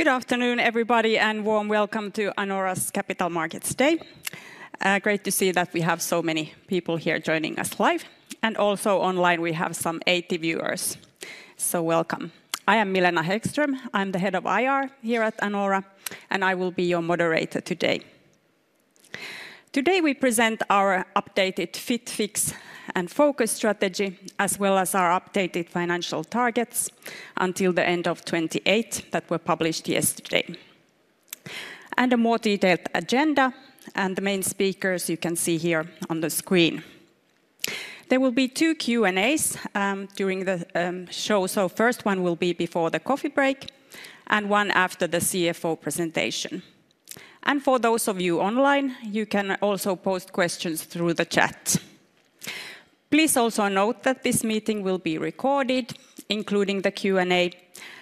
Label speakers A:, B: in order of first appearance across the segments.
A: Good afternoon everybody and warm welcome to Anora's Capital Markets Day. Great to see that we have so many people here joining us live and also online we have some 80 viewers, so welcome. I am Milena Hæggström. I'm the head of IR here at Anora and I will be your moderator today. Today we present our updated Fit, Fix and Focus strategy as well as our updated financial targets until the end of 2028 that were published yesterday and a more detailed agenda. The main speakers you can see here on the screen. There will be two Q&As during the show, the first one will be before the coffee break and one after the CFO presentation. For those of you online, you can also post questions through the chat. Please also note that this meeting will be recorded, including the Q and A,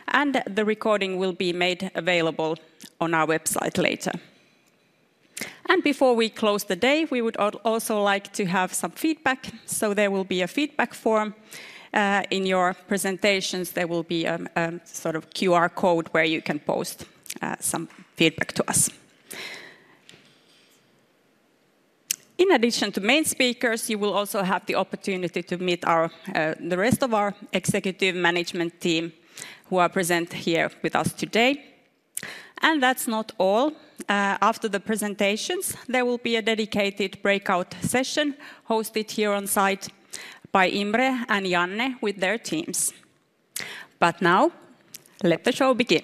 A: and the recording will be made available on our website later. Before we close the day, we would also like to have some feedback. There will be a feedback form in your presentations. There will be a sort of QR code where you can post some feedback to us. In addition to main speakers, you will also have the opportunity to meet the rest of our executive management team who are present here with us today. That is not all. After the presentations, there will be a dedicated breakout session hosted here on site by Imre and Janne with their teams. Now, let the show begin.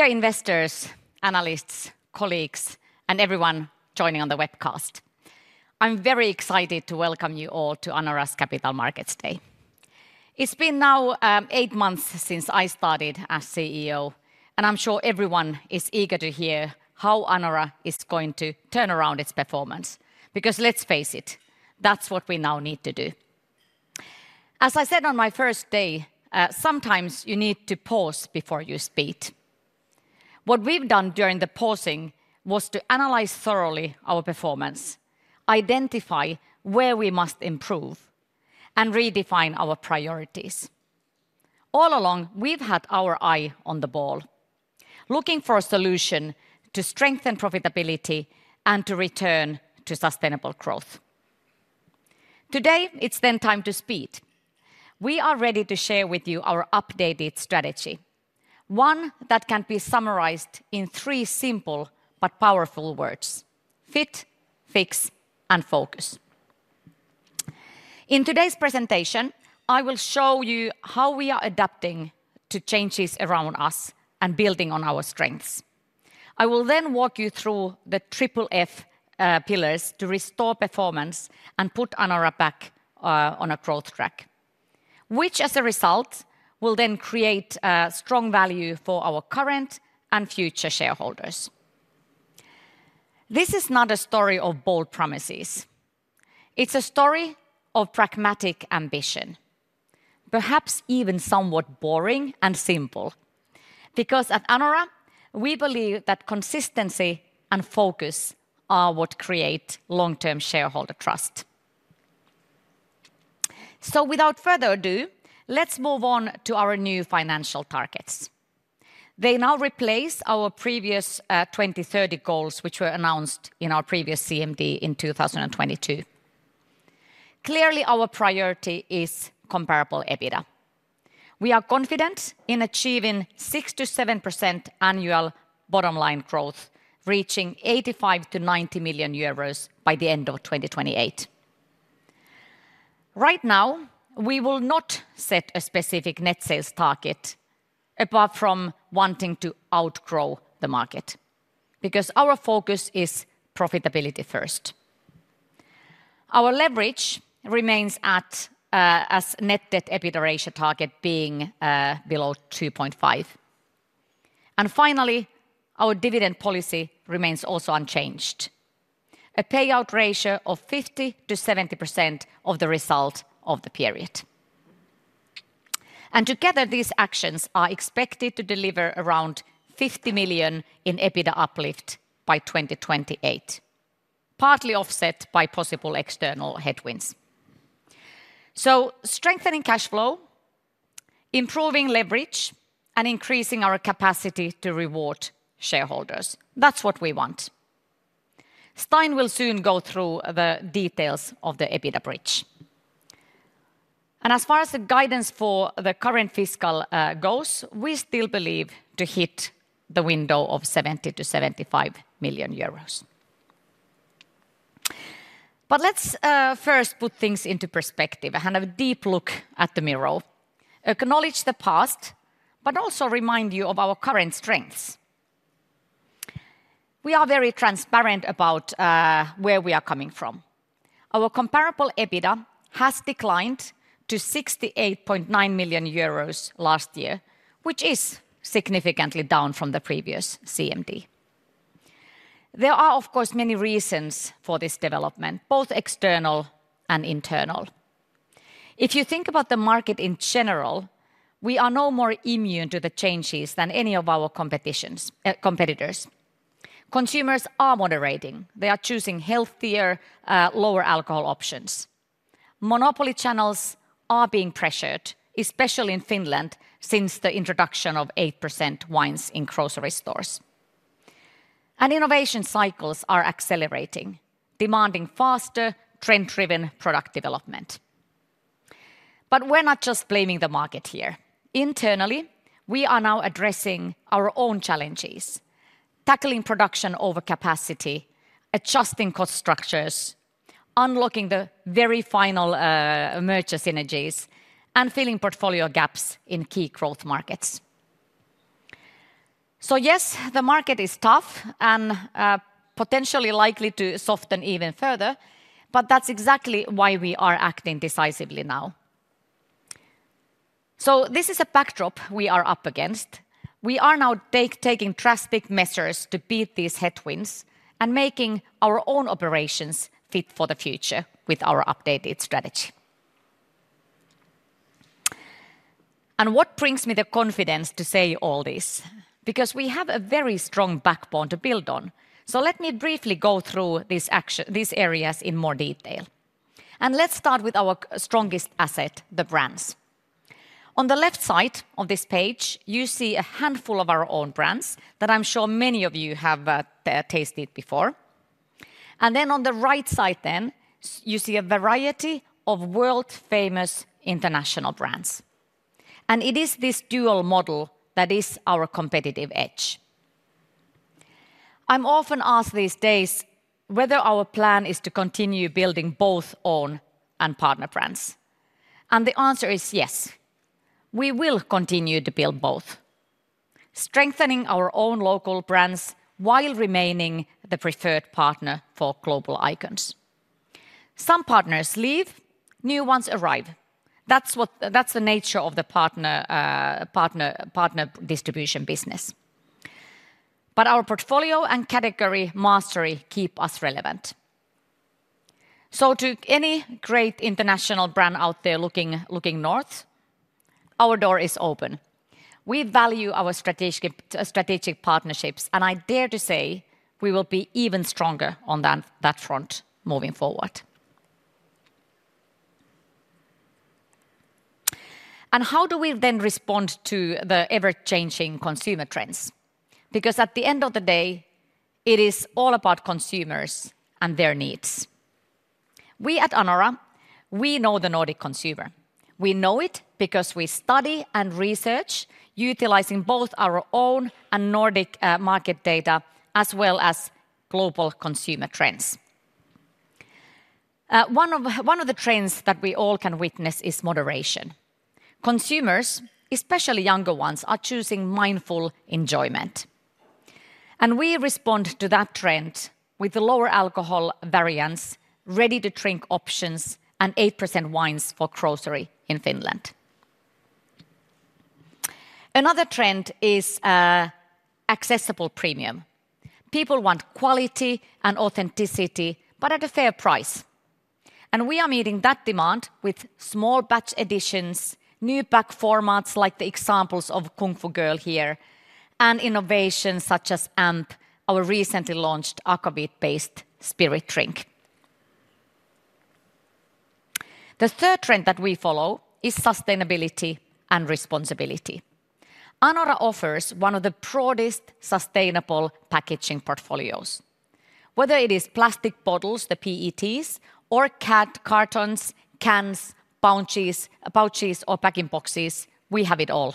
B: Dear investors, analysts, colleagues and everyone joining on the webcast, I'm very excited to welcome you all to Anora's capital markets day. It's been now eight months since I started as CEO and I'm sure everyone is eager to hear how Anora is going to turn around its performance. Because let's face it, that's what we now need to do. As I said on my first day, sometimes you need to pause before you speed. What we've done during the pausing was to analyze thoroughly our performance, identify where we must improve and redefine our priorities. All along we've had our eye on the ball, looking for a solution to strengthen profitability and to return to sustainable growth. Today, it's then time to speed. We are ready to share with you our updated strategy, one that can be summarized in three simple but powerful Fit, Fix and Focus. In today's presentation, I will show you how we are adapting to changes around us and building on our strengths. I will then walk you through the FFF pillars to restore performance and put Anora back on a growth track, which as a result will then create strong value for our current and future shareholders. This is not a story of bold promises, it's a story of pragmatic ambition. Perhaps even somewhat boring and simple. Because at Anora, we believe that consistency and focus are what create long-term shareholder trust. Without further ado, let's move on to our new financial targets. They now replace our previous 2030 goals which were announced in our previous CMD in 2022. Clearly, our priority is comparable EBITDA. We are confident in achieving 6%-7% annual bottom line growth reaching 85-90 million euros by the end of 2028. Right now we will not set a specific net sales target apart from wanting to outgrow the market, because our focus is profitability. First, our leverage remains at as net debt EBITDA ratio target being below 2.5. Finally, our dividend policy remains also unchanged. A payout ratio of 50%-70% of the result of the period. Together these actions are expected to deliver around 50 million in EBITDA uplift by 2028, partly offset by possible external headwinds. Strengthening cash flow, improving leverage and increasing our capacity to reward shareholders. That is what we want. Stein will soon go through the details of the EBITDA bridge. As far as the guidance for the current fiscal goals, we still believe to hit the window of 70-75 million euros. Let's first put things into perspective, have a deep look at the mirror, acknowledge the past, but also remind you of our current strengths. We are very transparent about where we are coming from. Our comparable EBITDA has declined to 68.9 million euros last year, which is significantly down from the previous CMD. There are, of course, many reasons for this development, both external and internal. If you think about the market in general, we are no more immune to the changes than any of our competitors. Consumers are moderating, they are choosing healthier, lower alcohol options. Monopoly channels are being pressured, especially in Finland, since the introduction of 8% wines in grocery stores. Innovation cycles are accelerating, demanding faster, trend-driven product development. We are not just blaming the market here. Internally, we are now addressing our own challenges. Tackling production overcapacity, adjusting cost structures, unlocking the very final merger synergies, and filling portfolio gaps in key growth markets. Yes, the market is tough and potentially likely to soften even further. That is exactly why we are acting decisively now. This is a backdrop we are up against. We are now taking drastic measures to beat these headwinds and making our own operations fit for the future with our updated strategy. What brings me the confidence to say all this is because we have a very strong backbone to build on. Let me briefly go through these areas in more detail and let's start with our strongest asset, the brands. On the left side of this page you see a handful of our own brands that I'm sure many of you have tasted before. On the right side you see a variety of world famous international brands. It is this dual model that is our competitive edge. I'm often asked these days whether our plan is to continue building both own and partner brands. The answer is yes, we will continue to build both, strengthening our own local brands while remaining the preferred partner for global icons. Some partners leave, new ones arrive. That is the nature of the partner distribution business. Our portfolio and category mastery keep us relevant. To any great international brand out there looking north, our door is open. We value our strategic partnerships and I dare to say we will be even stronger on that front moving forward. How do we then respond to the ever changing consumer trends? Because at the end of the day, it is all about consumers and their needs. We at Anora, we know the Nordic consumer. We know it because we study and research utilizing both our own and Nordic market data as well as global consumer trends. One of the trends that we all can witness is moderation. Consumers, especially younger ones, are choosing mindful enjoyment and we respond to that trend with the lower alcohol variants, ready to drink options and 8% wines for grocery in Finland. Another trend is accessible premium. People want quality and authenticity but at a fair price. We are meeting that demand with small batch additions, new bag formats like the examples of Kung Fu Girl here, and innovations such as Amp, our recently launched Aquavit-based spirit drink. The third trend that we follow is sustainability and responsibility. Anora offers one of the broadest sustainable packaging portfolios. Whether it is plastic bottles, the PETs or carton cartons, cans, pouches or packing boxes. We have it all,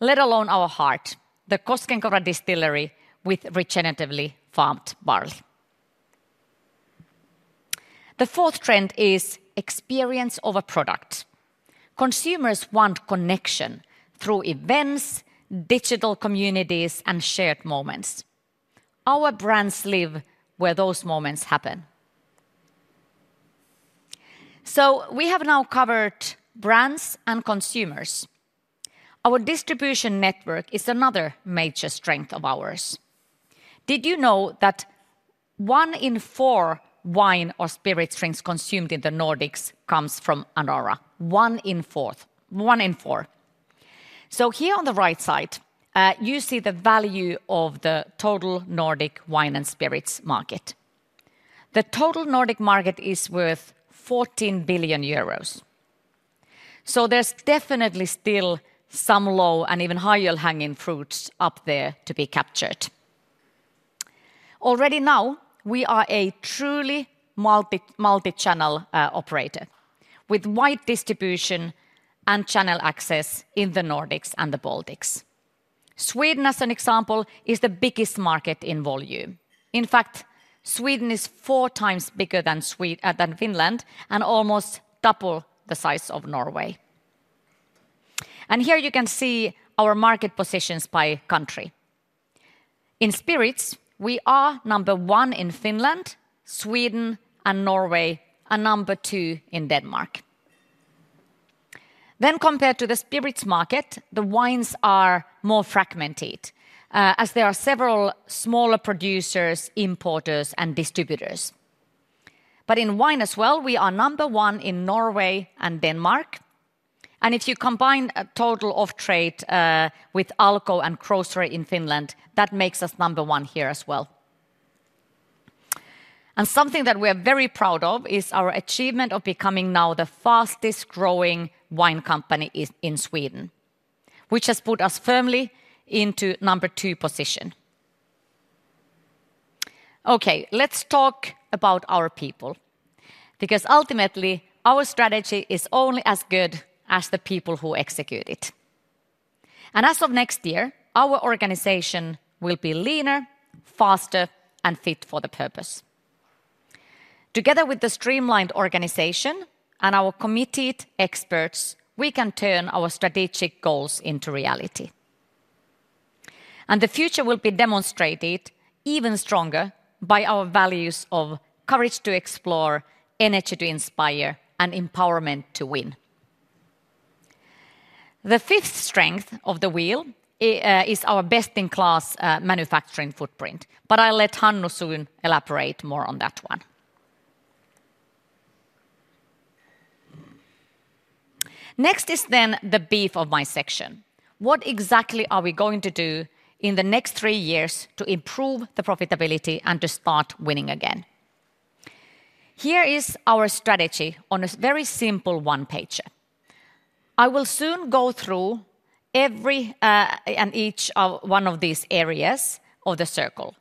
B: let alone our heart. The Koskenkorva distillery with regeneratively farmed barley. The fourth trend is experience of a product. Consumers want connection through events, digital communities and shared moments. Our brands live where those moments happen. We have now covered brands and consumers. Our distribution network is another major strength of ours. Did you know that one in four wine or spirit drinks consumed in the Nordics comes from Anora? One in four. Here on the right side you see the value of the total Nordic wine and spirits market. The total Nordic market is worth 14 billion euros. There is definitely still some low and even higher hanging fruits up there to be captured. Already now we are a truly multi-channel operator with wide distribution and channel access in the Nordics and the Baltics. Sweden as an example is the biggest market in volume. In fact, Sweden is four times bigger than Finland and almost double the size of Norway. Here you can see our market positions by country. In Spirits, we are number one in Finland, Sweden, and Norway and number two in Denmark. Compared to the Spirits market, the wines are more fragmented as there are several smaller producers, importers, and distributors. In wine as well, we are number one in Norway and Denmark. If you combine a total of trade with Alko and grocery in Finland, that makes us number one here as well. Something that we are very proud of is our achievement of becoming now the fastest growing wine company in Sweden, which has put us firmly into number two position. Let's talk about our people because ultimately our strategy is only as good as the people who execute it. As of next year our organization will be leaner, faster and fit for the purpose. Together with the streamlined organization and our committed experts, we can turn our strategic goals into reality and the future will be demonstrated even stronger by our values of courage to explore, energy to inspire and empowerment to win. The fifth strength of the wheel is our best in class manufacturing footprint. I'll let Hannu soon elaborate more on that. Next is the beef of my section. What exactly are we going to do in the next three years to improve the profitability and to start winning again? Here is our strategy on a very simple one pager. I will soon go through every and each one of these areas of the circle.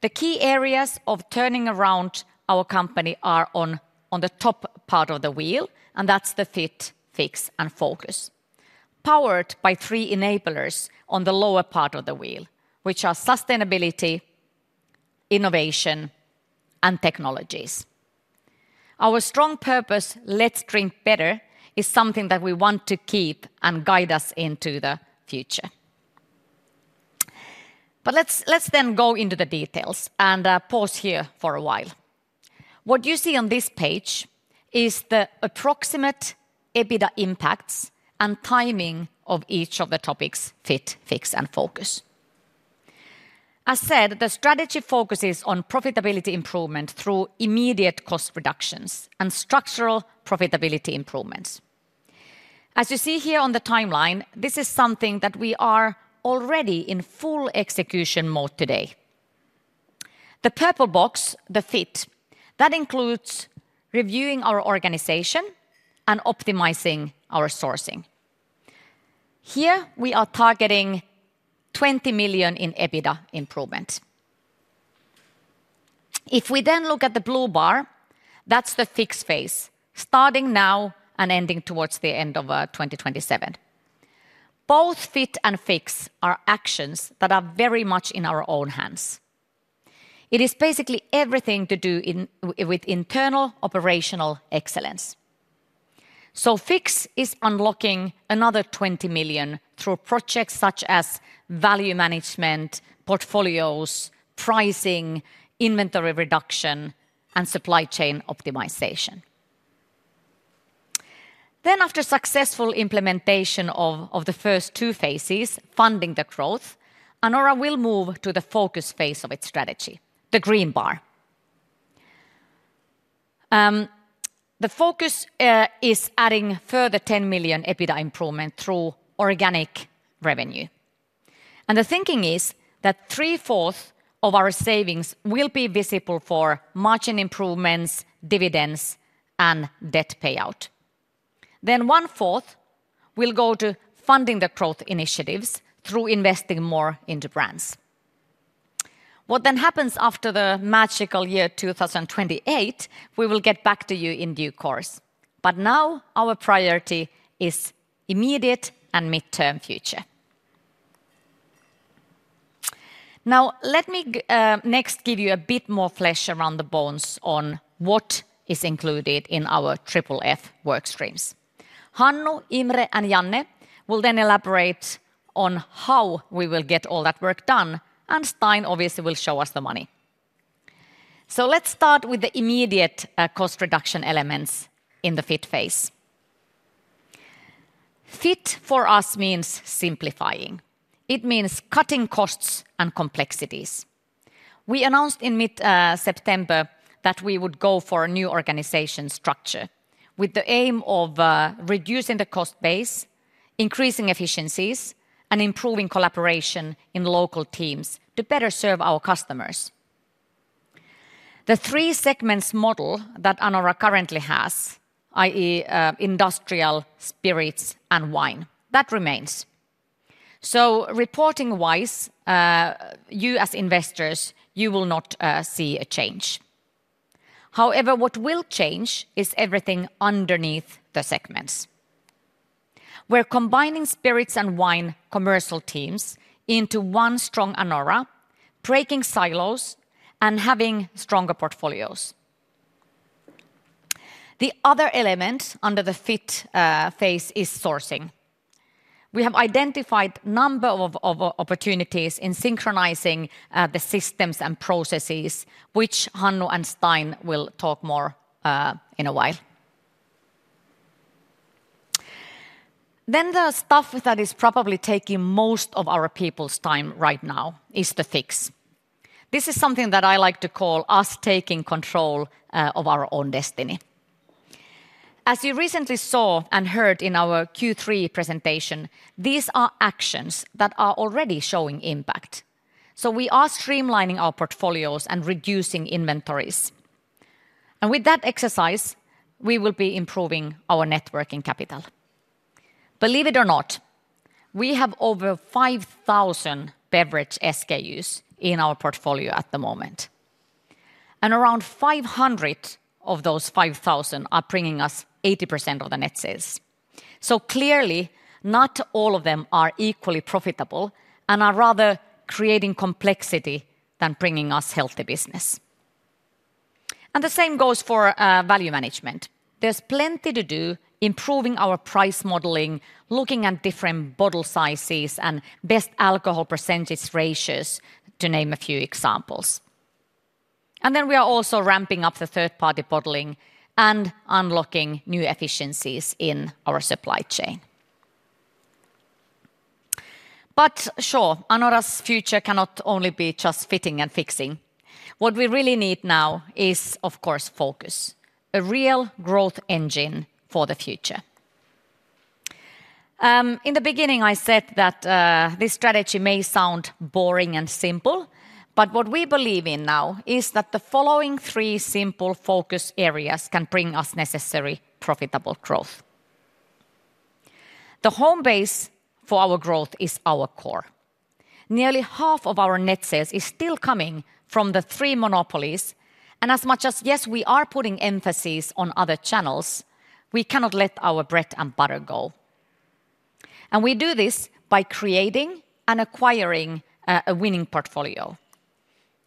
B: The key areas of turning around our company are on the top part of the wheel and that's the Fit, Fix and Focus. Powered by three enablers on the lower part of the wheel which are sustainability, innovation and technologies. Our strong purpose let's drink better is something that we want to keep and guide us into the future. Let's then go into the details and pause here for a while. What you see on this page is the approximate EBITDA impacts and timing of each of the topics. Fit, Fix and Focus. As said, the strategy focuses on profitability improvement through immediate cost reductions and structural profitability improvements as you see here on the timeline. This is something that we are already in full execution mode today. The purple box, the Fit, that includes reviewing our organization and optimizing our sourcing. Here we are targeting 20 million in EBITDA improvement. If we then look at the blue bar, that's the Fix phase starting now and ending towards the end of 2027. Both Fit & Fix are actions that are very much in our own hands. It is basically everything to do with internal operational excellence. Fix is unlocking another 20 million through projects such as value management, portfolios, pricing, inventory reduction, and supply chain optimization. After successful implementation of the first two phases, funding the growth, Anora will move to the Focus phase of its strategy, the green bar. The focus is adding further 10 million EBITDA improvement through organic revenue and the thinking is that three-quarters of our savings will be visible for margin improvements, dividends and debt payout. Then one-quarter will go to funding the growth initiatives through investing more into brands. What then happens after the magical year 2028? We will get back to you in due course, but now our priority is immediate and midterm future. Now let me next give you a bit more flesh around the bones on what is included in our FFF work streams. Hannu, Imre and Janne will then elaborate on how we will get all that work done and Stein obviously will show us the money. Let's start with the immediate cost reduction elements in the Fit phase. Fit for us means simplifying, it means cutting costs and complexities. We announced in mid September that we would go for a new organization structure with the aim of reducing the cost base, increasing efficiencies, and improving collaboration in local teams to better serve our customers. The three segments model that Anora currently has, that is Industrial, spirits, and wine, that remains, so reporting wise you as investors you will not see a change. However, what will change is everything underneath the segments. We're combining spirits and wine commercial teams into one strong Anora, breaking silos and having stronger portfolios. The other element under the Fit phase is sourcing. We have identified a number of opportunities in synchronizing the systems and processes, which Hannu and Stein will talk more about in a while. Then the stuff that is probably taking most of our people's time right now is the fix. This is something that I like to call us taking control of our own destiny. As you recently saw and heard in our Q3 presentation, these are actions that are already showing impact. We are streamlining our portfolios and reducing inventories and with that exercise we will be improving our networking capital. Believe it or not we have over 5,000 beverage SKUs in our portfolio at the moment and around 500 of those 5,000 are bringing us 80% of the net sales. Clearly not all of them are equally profitable and are rather creating complexity than bringing us healthy business and the same goes for value management. There is plenty to do. Improving our price modeling, looking at different bottle sizes and best alcohol percentage ratios, to name a few examples. We are also ramping up the third party bottling and unlocking new efficiencies in our supply chain. Anora's future cannot only be just fitting and fixing. What we really need now is, of course, Focus—a real growth engine for the future. In the beginning I said that this strategy may sound boring and simple, but what we believe in now is that the following three simple focus areas can bring us necessary profitable growth. The home base for our growth is our core. Nearly half of our net sales is still coming from the three monopolies. As much as yes, we are putting emphasis on other channels, we cannot let our bread and butter go. We do this by creating and acquiring a winning portfolio.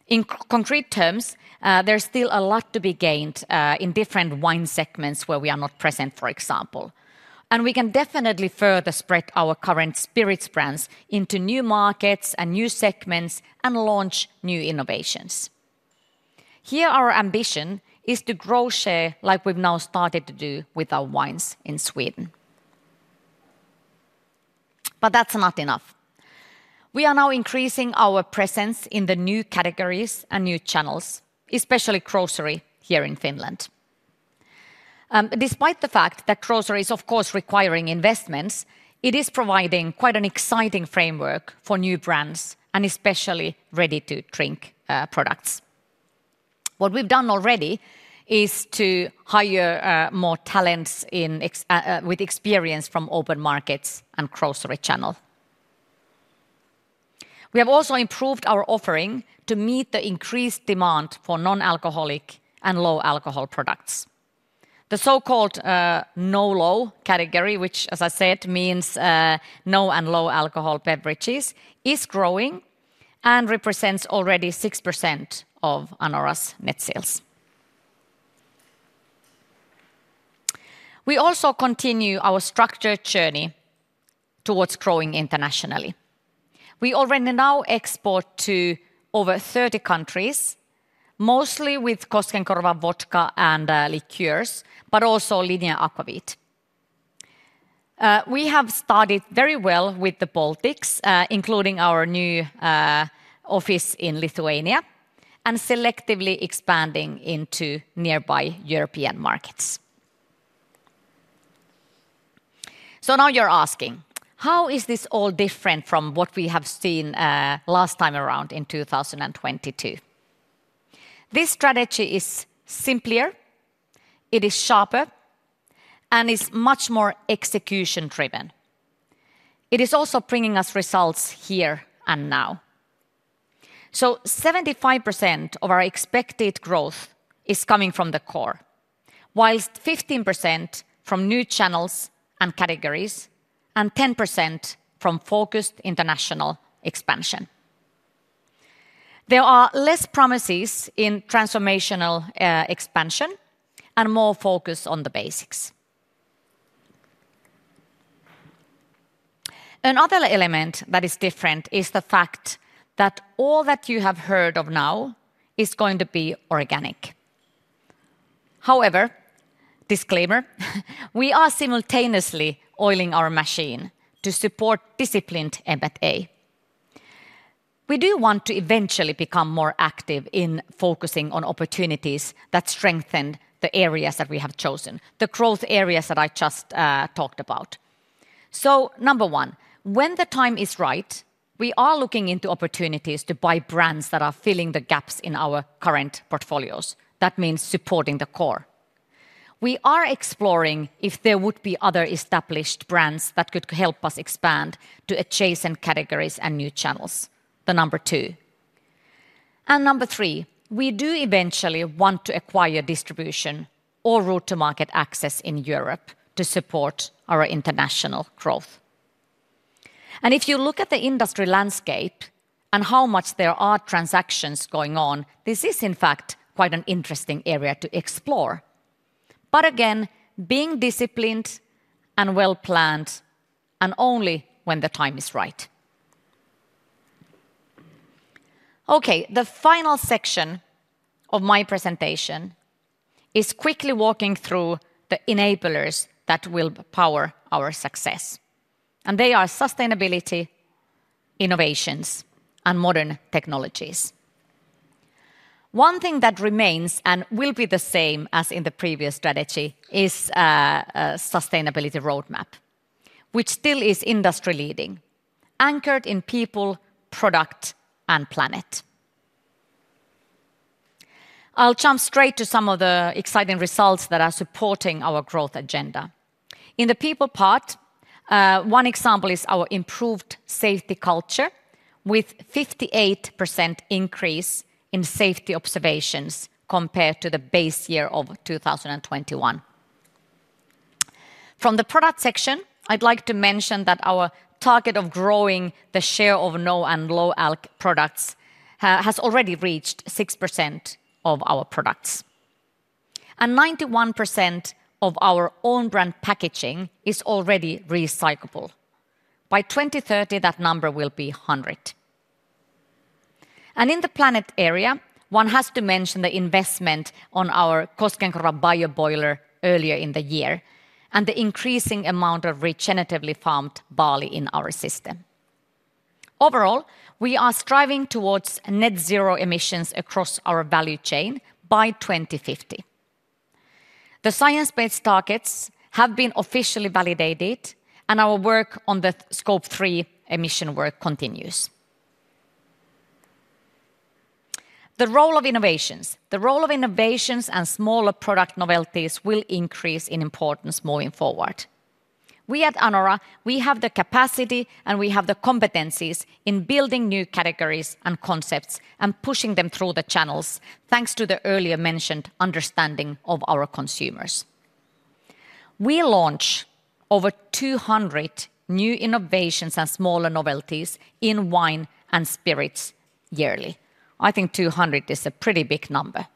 B: In concrete terms, there's still a lot to be gained in different wine segments where we are not present, for example. We can definitely further spread our current spirits brands into new markets and new segments and launch new innovations here. Our ambition is to grow share like we've now started to do with our wines in Sweden. That is not enough. We are now increasing our presence in the new categories and new channels, especially grocery here in Finland. Despite the fact that grocery is of course requiring investments, it is providing quite an exciting framework for new brands and especially ready to drink products. What we've done already is to hire more talents with experience from open markets and grocery channel. We have also improved our offering to meet the increased demand for non alcoholic and low alcohol products. The so-called no low category, which as I said means no and low alcohol beverages, is growing and represents already 6% of Anora's net sales. We also continue our structured journey towards growing internationally. We already now export to over 30 countries, mostly with Koskenkorva vodka and liqueurs, but also Linie Aquavit. We have started very well with the Baltics, including our new office in Lithuania, and selectively expanding into nearby European markets. Now you're asking how is this all different from what we have seen last time around in 2022? This strategy is simpler, it is sharper, and is much more execution driven. It is also bringing us results here and now. 75% of our expected growth is coming from the core, whilst 15% from new channels and categories, and 10% from focused international expansion. There are less promises in transformational expansion and more focus on the basics. Another element that is different is the fact that all that you have heard of now is going to be organic. However, disclaimer, we are simultaneously organized, oiling our machine to support disciplined M&A. We do want to eventually become more active in focusing on opportunities that strengthen the areas that we have chosen, the growth areas that I just talked about. Number one, when the time is right, we are looking into opportunities to buy brands that are filling the gaps in our current portfolios. That means supporting the core. We are exploring if there would be other established brands that could help us expand to adjacent categories and new channels. The number two and number three we do eventually want to acquire distribution or route to market access in Europe to support our international growth. If you look at the industry landscape and how much there are transactions going on, this is in fact quite an interesting area to explore. Again, being disciplined and well planned and only when the time is right. Okay, the final section of my presentation is quickly walking through the enablers that will power our success and they are sustainability, innovations, and modern technologies. One thing that remains and will be the same as in the previous strategy is sustainability roadmap, which still is industry leading, anchored in people, product, and planet. I'll jump straight to some of the exciting results that are supporting our growth agenda in the people part. One example is our improved safety culture with a 58% increase in safety observations compared to the base year of 2021. From the product section, I'd like to mention that our target of growing the share of no and low alk products has already reached 6% of our products, and 91% of our own brand packaging is already recyclable. By 2030, that number will be 100. In the planet area, one has to mention the investment on our Koskenkorva bio boiler earlier in the year and the increasing amount of regeneratively farmed barley in our system. Overall, we are striving towards net zero emissions across our value chain by 2050. The science-based targets have been officially validated, and our work on the scope three emission work continues. The role of innovations and smaller product novelties will increase in importance moving forward. We at Anora, we have the capacity and we have the competencies in building new categories and concepts and pushing them through the channels. Thanks to the earlier mentioned understanding of our consumers, we launch over 200 new innovations and smaller novelties in wine and spirits yearly. I think 200 is a pretty big number.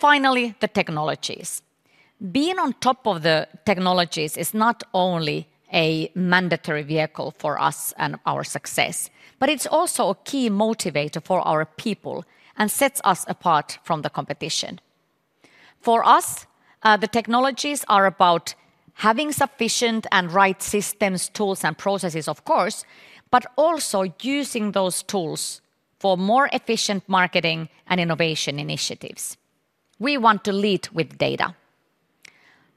B: Finally, the technologies. Being on top of the technologies is not only a mandatory vehicle for us and our success, but it's also a key motivator for our people and sets us apart from the competition. For us, the technologies are about having sufficient and right systems, tools and processes, of course, but also using those tools for more efficient marketing and innovation initiatives. We want to lead with data.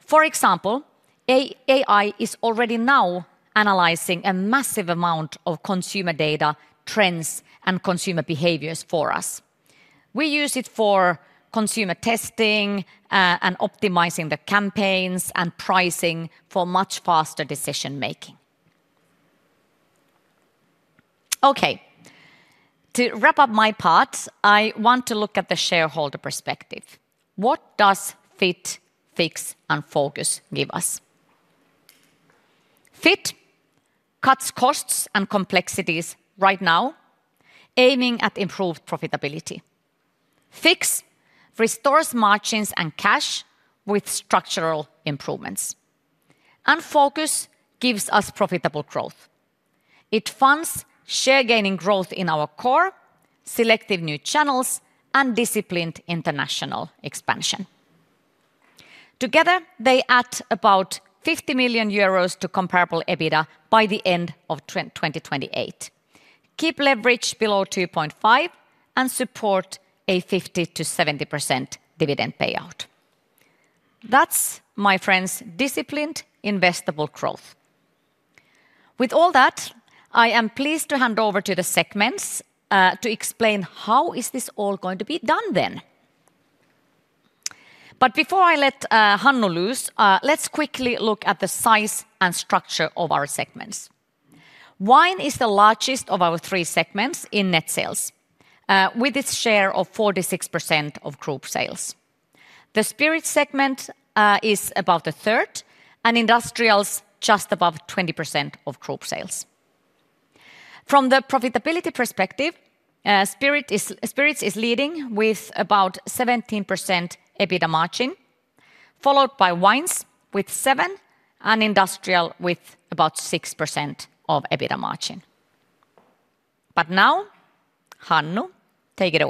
B: For example, AI is already now analyzing a massive amount of consumer data, trends and consumer behaviors for us. We use IT for consumer testing and optimizing the campaigns and pricing for much faster decision making. Okay, to wrap up my part, I want to look at the shareholder perspective. What does Fit, Fix and Focus give us? Fit cuts costs and complexities. Right now, aiming at improved profitability. Fix restores margins and cash with structural improvements. Focus gives us profitable growth. IT funds share, gaining growth in our core selective new channels and disciplined international expansion. Together they add about 50 million euros to comparable EBITDA by the end of 2028, keep leverage below 2.5 and support a 50%-70% dividend payout. That is, my friends, disciplined investable growth. With all that I am pleased to hand over to the segments. To explain how is this all going to be done then? Before I let Hannu loose, let's quickly look at the size and structure of our segments. Wine is the largest of our three segments in net sales with its share of 46% of group sales. The Spirits segment is about a third and Industrials just above 20% of group sales. From the profitability perspective, Spirits is leading with about 17% EBITDA margin, followed by Wine with 7% and Industrial with about 6% of EBITDA margin. Now, Hannu, take it.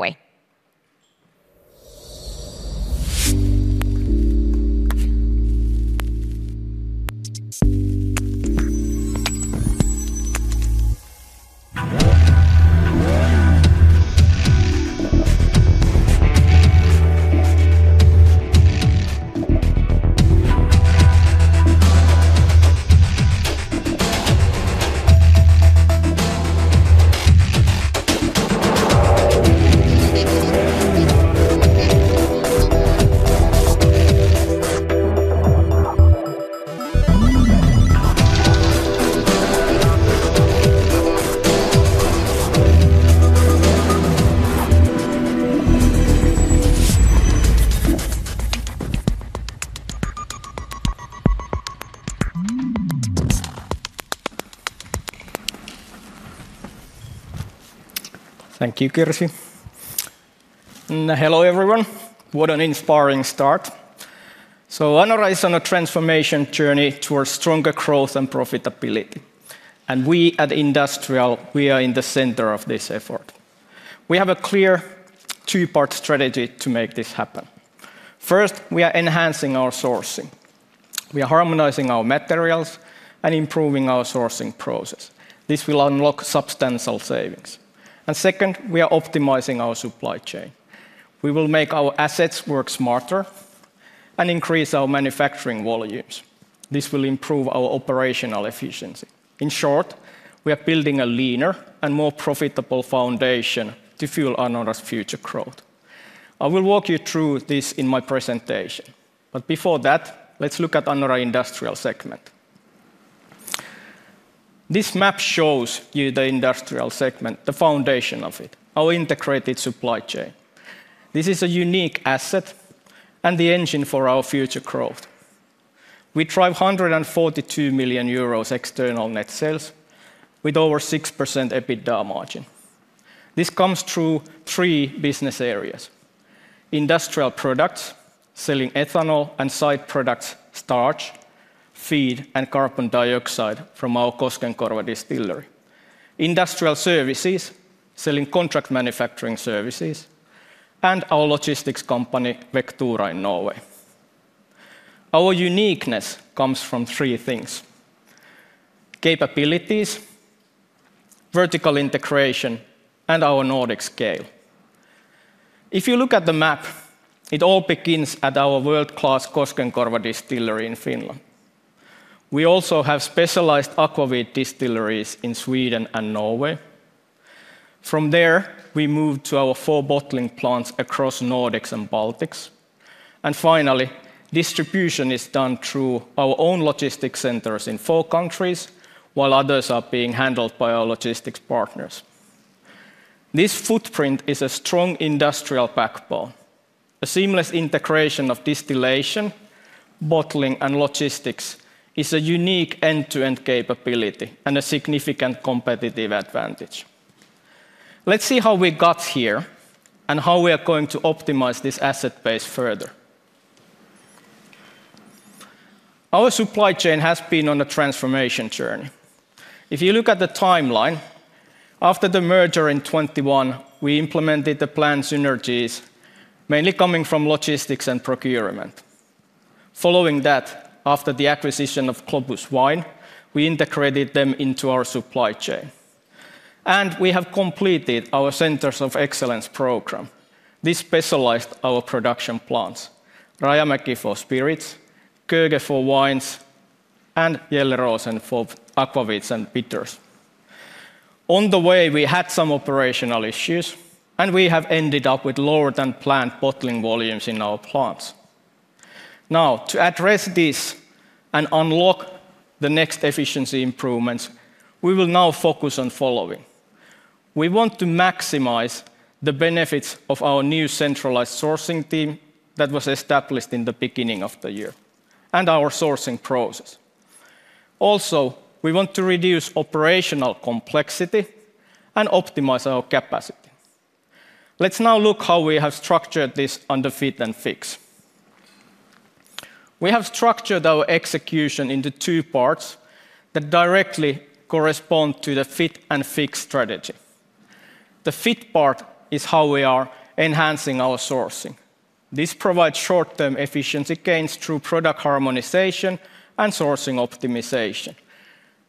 C: Thank you. Courtesy. Hello everyone. What an inspiring start. Anora is on a transformation journey towards stronger growth and profitability. We at Industrial, we are in the center of this effort. We have a clear two-part strategy to make this happen. First, we are enhancing our sourcing. We are harmonizing our materials and improving our sourcing process. This will unlock substantial savings. Second, we are optimizing our supply chain. We will make our assets work smarter and increase our manufacturing volumes. This will improve our operational efficiency. In short, we are building a leaner and more profitable foundation to fuel Anora's future growth. I will walk you through this in my presentation. Before that, let's look at Anora Industrial segment. This map shows you the Industrial segment, the foundation of it, our integrated supply chain. This is a unique asset and the engine for our future growth. We drive 142 million euros external net sales with over 6% EBITDA margin. This comes through three business industrial products selling ethanol and side products, starch, feed, and carbon dioxide from our Koskenkorva distillery, industrial services selling contract manufacturing services, and our logistics company Vectura in Norway. Our uniqueness comes from three capabilities, vertical integration, and our Nordic scale. If you look at the map, it all begins at our world-class Koskenkorva distillery in Finland. We also have specialized aquavit distilleries in Sweden and Norway. From there we move to our four bottling plants across Nordics and Baltics. Finally, distribution is done through our own logistics centers in four countries while others are being handled by our logistics partners. This footprint is a strong industrial backbone. A seamless integration of distillation, bottling, and logistics is a unique end-to-end capability and a significant competitive advantage. Let's see how we got here and how we are going to optimize this asset base. Further, our supply chain has been on a transformation journey. If you look at the timeline after the merger in 2021, we implemented the planned synergies mainly coming from logistics and procurement. Following that, after the acquisition of Globus Wine, we integrated them into our supply chain and we have completed our Centers of Excellence program. This specialized our production plants: Rajamäki for spirits, Koskenkorva for wines, and Gjelleråsen for aquavits and bitters. On the way, we had some operational issues and we have ended up with lower than planned bottling volumes in our plants. Now, to address this and unlock the next efficiency improvements, we will now focus on the following. We want to maximize the benefits of our new centralized sourcing team that was established in the beginning of the year and our sourcing process. Also, we want to reduce operational complexity and optimize our capacity. Let's now look how we have structured this under Fit & Fix. We have structured our execution into two parts that directly correspond to the Fit & Fix strategy. The Fit part is how we are enhancing our sourcing. This provides short-term efficiency gains through product harmonization and sourcing optimization.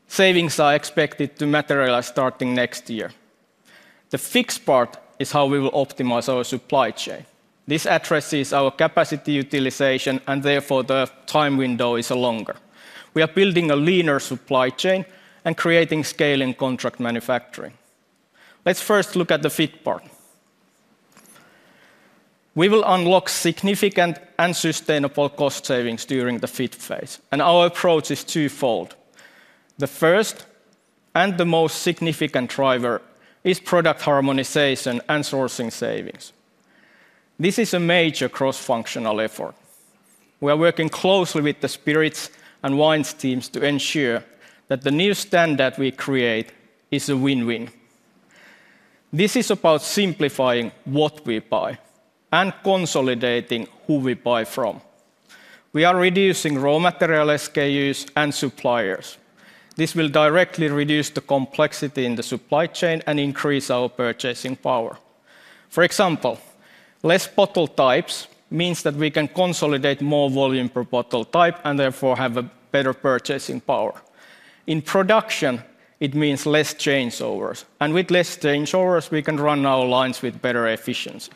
C: Savings are expected to materialize starting next year. The Fix part is how we will optimize our supply chain. This addresses our capacity utilization and therefore the time window is longer. We are building a leaner supply chain and creating scale in contract manufacturing. Let's first look at the Fit part. We will unlock significant and sustainable cost savings during the Fit phase and our approach is twofold. The first and the most significant driver is product harmonization and sourcing savings. This is a major cross functional effort. We are working closely with the spirits and wines teams to ensure that the new standard we create is a win win. This is about simplifying what we buy and consolidating who we buy from. We are reducing raw material SKUs and suppliers. This will directly reduce the complexity in the supply chain and increase our purchasing power. For example, less bottle types means that we can consolidate more volume per bottle type and therefore have a better purchasing power in production. It means less changeovers. With less changeovers, we can run our lines with better efficiency.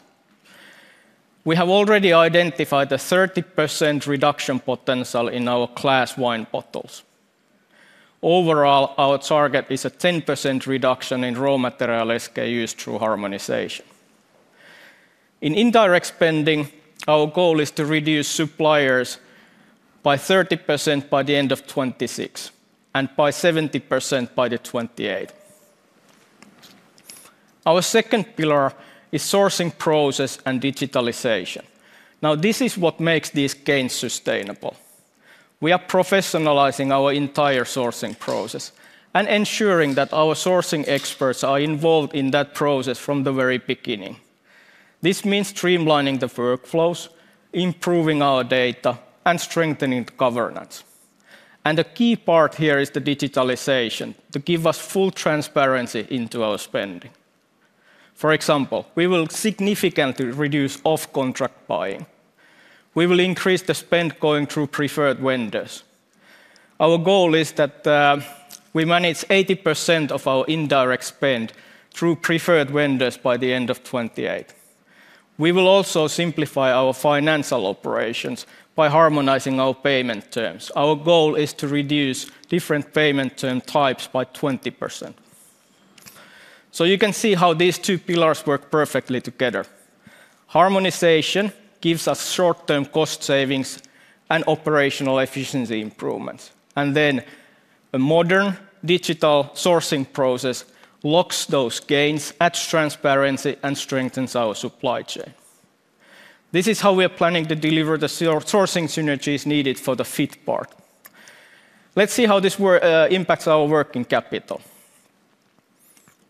C: We have already identified a 30% reduction potential in our class wine bottles. Overall, our target is a 10% reduction in raw material SKUs through harmonization in indirect spending. Our goal is to reduce suppliers by 30% by the end of 2026 and by 70% by 2028. Our second pillar is sourcing process and digitalization. Now this is what makes these gains sustainable. We are professionalizing our entire sourcing process and ensuring that our sourcing experts are involved in that process from the very beginning. This means streamlining the workflows, improving our data and strengthening governance. The key part here is the digitalization to give us full transparency into our spending. For example, we will significantly reduce off contract buying. We will increase the spend going through preferred vendors. Our goal is that we manage 80% of our indirect spend through preferred vendors by the end of 2028. We will also simplify our financial operations by harmonizing our payment terms. Our goal is to reduce different payment term types by 20%. You can see how these two pillars work perfectly together. Harmonization gives us short term cost savings and operational efficiency improvements. A modern digital sourcing process locks those gains, adds transparency and strengthens our supply chain. This is how we are planning to deliver the sourcing synergies needed for the Fit part. Let's see how this impacts our working capital.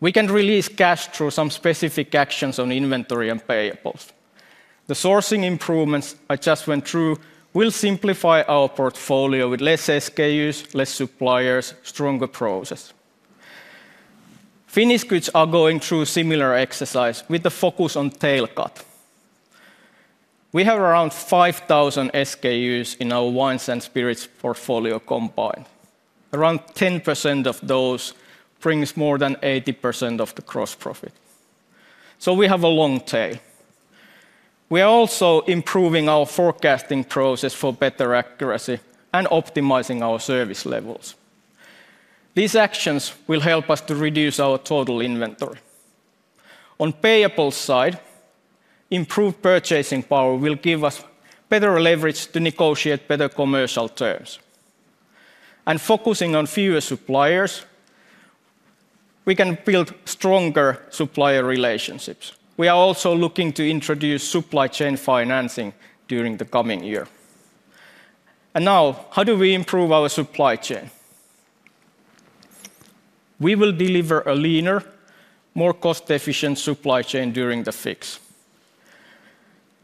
C: We can release cash through some specific actions on inventory and payables. The sourcing improvements I just went through will simplify our portfolio with less SKUs, less suppliers, stronger process. Finished goods are going through similar exercise with the focus on tail cut. We have around 5,000 SKUs in our wines and spirits portfolio. Combined, around 10% of those brings more than 80% of the gross profit. We have a long tail. We are also improving our forecasting process for better accuracy and optimizing our service levels. These actions will help us to reduce our total inventory. On the payable side, improved purchasing power will give us better leverage to negotiate better commercial terms. Focusing on fewer suppliers, we can build stronger supplier relationships. We are also looking to introduce supply chain financing during the coming year. Now, how do we improve our supply chain? We will deliver a leaner, more cost efficient supply chain during the fix.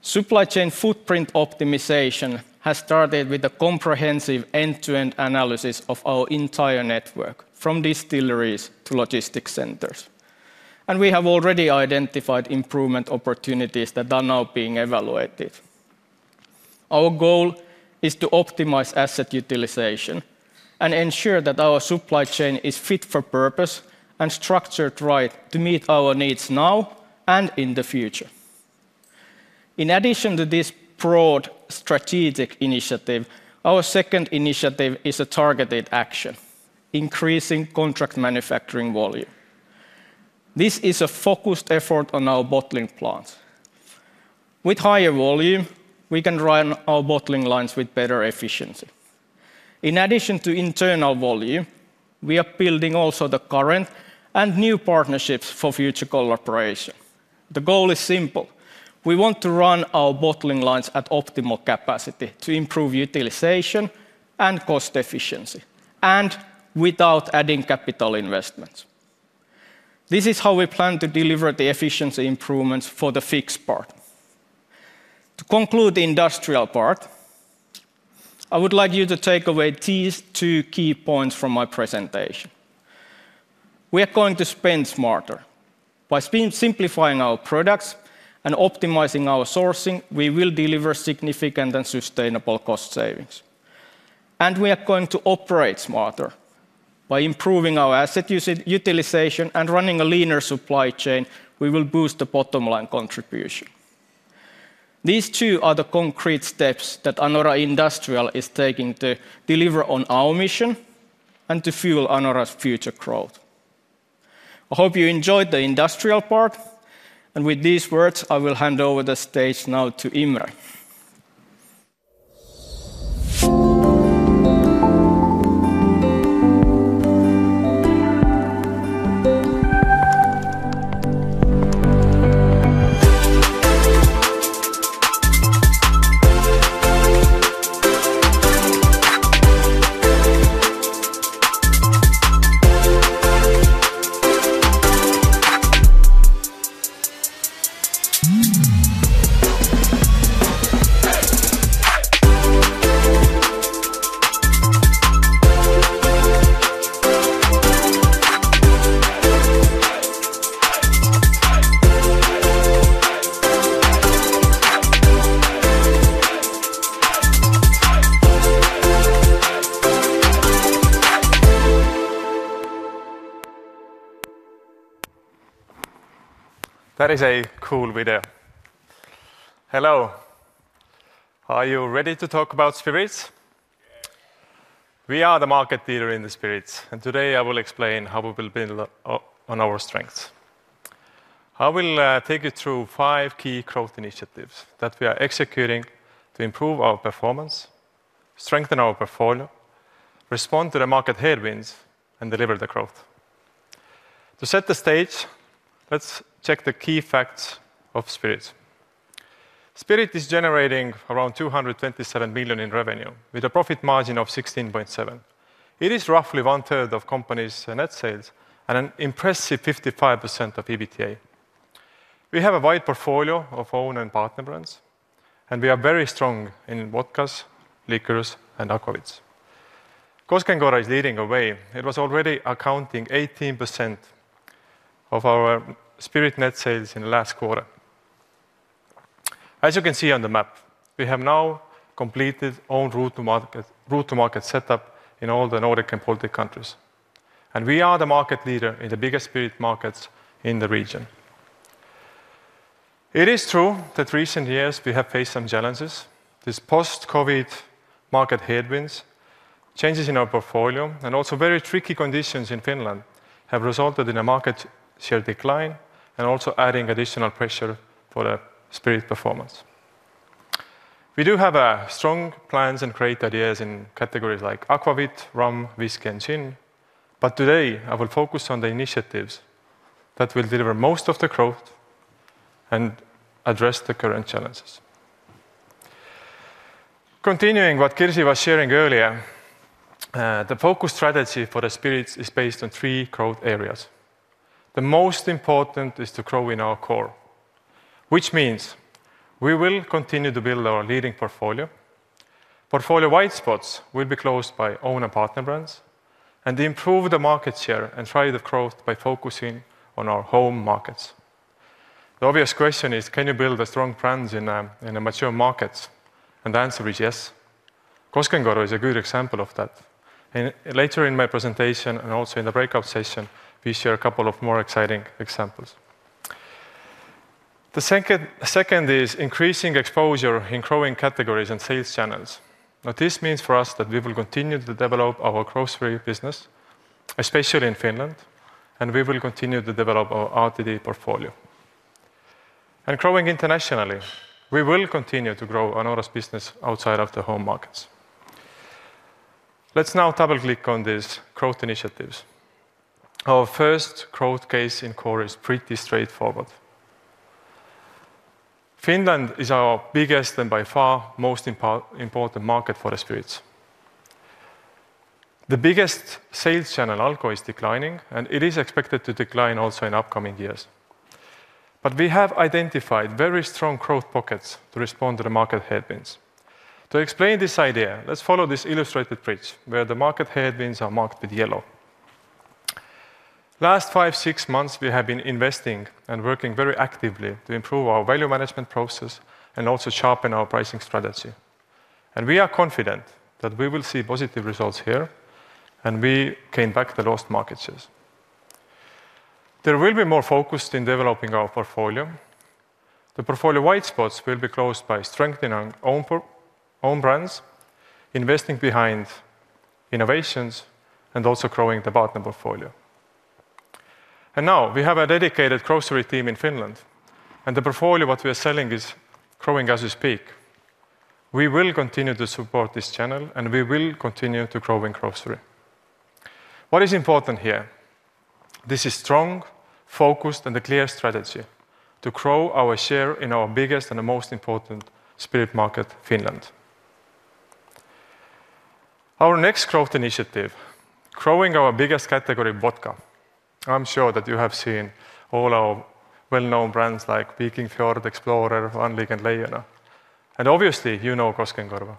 C: Supply chain footprint optimization has started with a comprehensive end to end analysis of our entire network from distilleries to logistics centers, and we have already identified improvement opportunities that are now being evaluated. Our goal is to optimize asset utilization and ensure that our supply chain is fit for purpose and structured right to meet our needs now and in the future. In addition to this broad strategic initiative, our second initiative is a targeted action increasing contract manufacturing volume. This is a focused effort on our bottling plants. With higher volume, we can run our bottling lines with better efficiency. In addition to internal volume, we are building also the current and new partnerships for future collaboration. The goal is simple. We want to run our bottling lines at optimal capacity to improve utilization and cost efficiency and without adding capital investments. This is how we plan to deliver the efficiency improvements for the Fixed part. To conclude the industrial part, I would like you to take away these two key points from my presentation. We are going to spend smarter by simplifying our products and optimizing our sourcing. We will deliver significant and sustainable cost savings and we are going to operate smarter by improving our asset utilization and running a leaner supply chain. We will boost the bottom line contribution. These two are the concrete steps that Anora Industrial is taking to deliver on our mission and to fuel Anora's future growth. I hope you enjoyed the industrial part and with these words I will hand over the stage now to Imre.
D: That is a cool video. Hello. Are you ready to talk about spirits? We are the market leader in the spirits and today I will explain how we will build on our strengths. I will take you through five key growth initiatives that we are executing to improve our performance, strengthen our portfolio, respond to the market headwinds and deliver the growth. To set the stage, let's check the key facts of Spirits. Spirits is generating around $227 million in revenue with a profit margin of 16.7%. It is roughly one third of the company's net sales and an impressive 55% of EBITDA. We have a wide portfolio of owner and partner brands and we are very strong in vodkas, liqueurs and aquavits. Koskenkorva is leading the way. It was already accounting 18% of our spirits net sales in the last quarter. As you can see on the map, we have now completed own route to market setup in all the Nordic and Baltic countries and we are the market leader in the biggest spirit markets in the region. It is true that recent years we have faced some challenges. These post COVID market headwinds, changes in our portfolio and also very tricky conditions in Finland have resulted in a market share decline and also adding additional pressure for spirit performance. We do have strong plans and great ideas in categories like aquavit, rum, whisk and gin. Today I will focus on the initiatives that will deliver most of the growth and address the current challenges. Continuing what Kirsi was sharing earlier. The Focus strategy for the spirits is based on three growth areas. The most important is to grow in our core, which means we will continue to build our leading portfolio. Portfolio white spots will be closed by own or partner brands and improve the market share and drive the growth by focusing on our home markets. The obvious question is can you build a strong brand in mature markets? The answer is yes. Koskenkorva is a good example of that. Later in my presentation and also in the breakout session, we share a couple of more exciting examples. The second is increasing exposure in growing categories and sales channels. This means for us that we will continue to develop our grocery business, especially in Finland. We will continue to develop our RTD portfolio and growing internationally. We will continue to grow Anora's business outside of the home markets. Let's now double click on these growth initiatives. Our first growth case in core is pretty straightforward. Finland is our biggest and by far most important market for spirits. The biggest sales channel, Alko, is declining and it is expected to decline also in upcoming years. We have identified very strong growth pockets to respond to the market headwinds. To explain this idea, let's follow this illustrated bridge where the market headwinds are marked with yellow. Last five, six months we have been investing and working very actively to improve our value management process and also sharpen our pricing strategy. We are confident that we will see positive results here and we can back the lost market shares. There will be more focus in developing our portfolio. The portfolio white spots will be closed by strengthening our own brands, investing behind innovations and also growing the partner portfolio. Now we have a dedicated grocery team in Finland and the portfolio, what we are selling is growing as we speak. We will continue to support this channel and we will continue to grow in grocery. What is important here? This is strong focus and a clear strategy to grow our share in our biggest and most important spirit market, Finland. Our next growth initiative, growing our biggest category, vodka. I'm sure that you have seen all our well known brands like Vikingfjord, Explorer, Linie and Leona, and obviously you know Koskenkorva.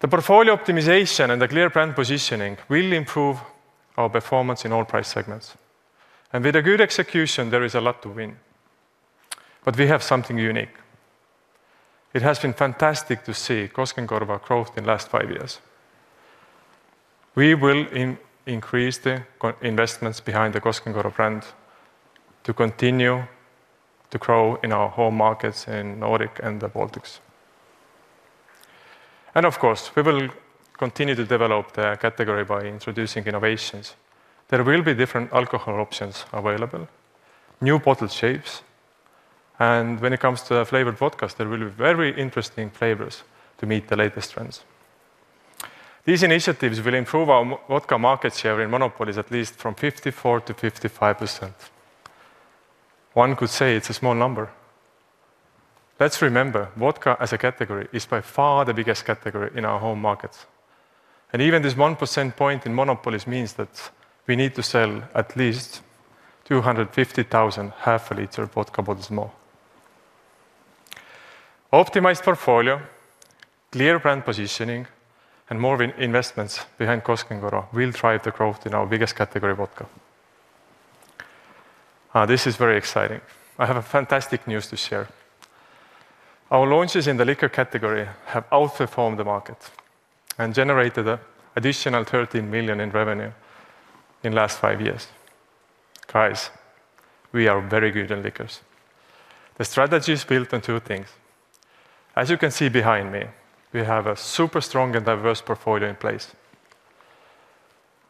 D: The portfolio optimization and the clear brand positioning will improve our performance in all price segments. With a good execution, there is a lot to win. We have something unique. It has been fantastic to see Koskenkorva growth in the last five years. We will increase the investments behind the Koskenkorva brand to continue to grow in our home markets in the Nordics and the Baltics. Of course we will continue to develop the category by introducing innovations. There will be different alcohol options available, new bottle shapes, and when it comes to flavored vodkas, there will be very interesting flavors to meet the latest trends. These initiatives will improve our vodka market share in monopolies at least from 54%-55%. One could say it's a small number. Let's remember, vodka as a category is by far the biggest category in our home markets. Even this 1 percentage point in monopolies means that we need to sell at least 250,000 half a litre of vodka bottles more. Optimized portfolio, clear brand positioning and more investments behind Koskenkorva will drive the growth in our biggest category, vodka. This is very exciting. I have a fantastic news to share. Our launches in the liquor category have outperformed the market and generated an additional $13 million in revenue in last five years. Guys, we are very good in liquors. The strategy is built on two things. As you can see behind me, we have a super strong and diverse portfolio in place.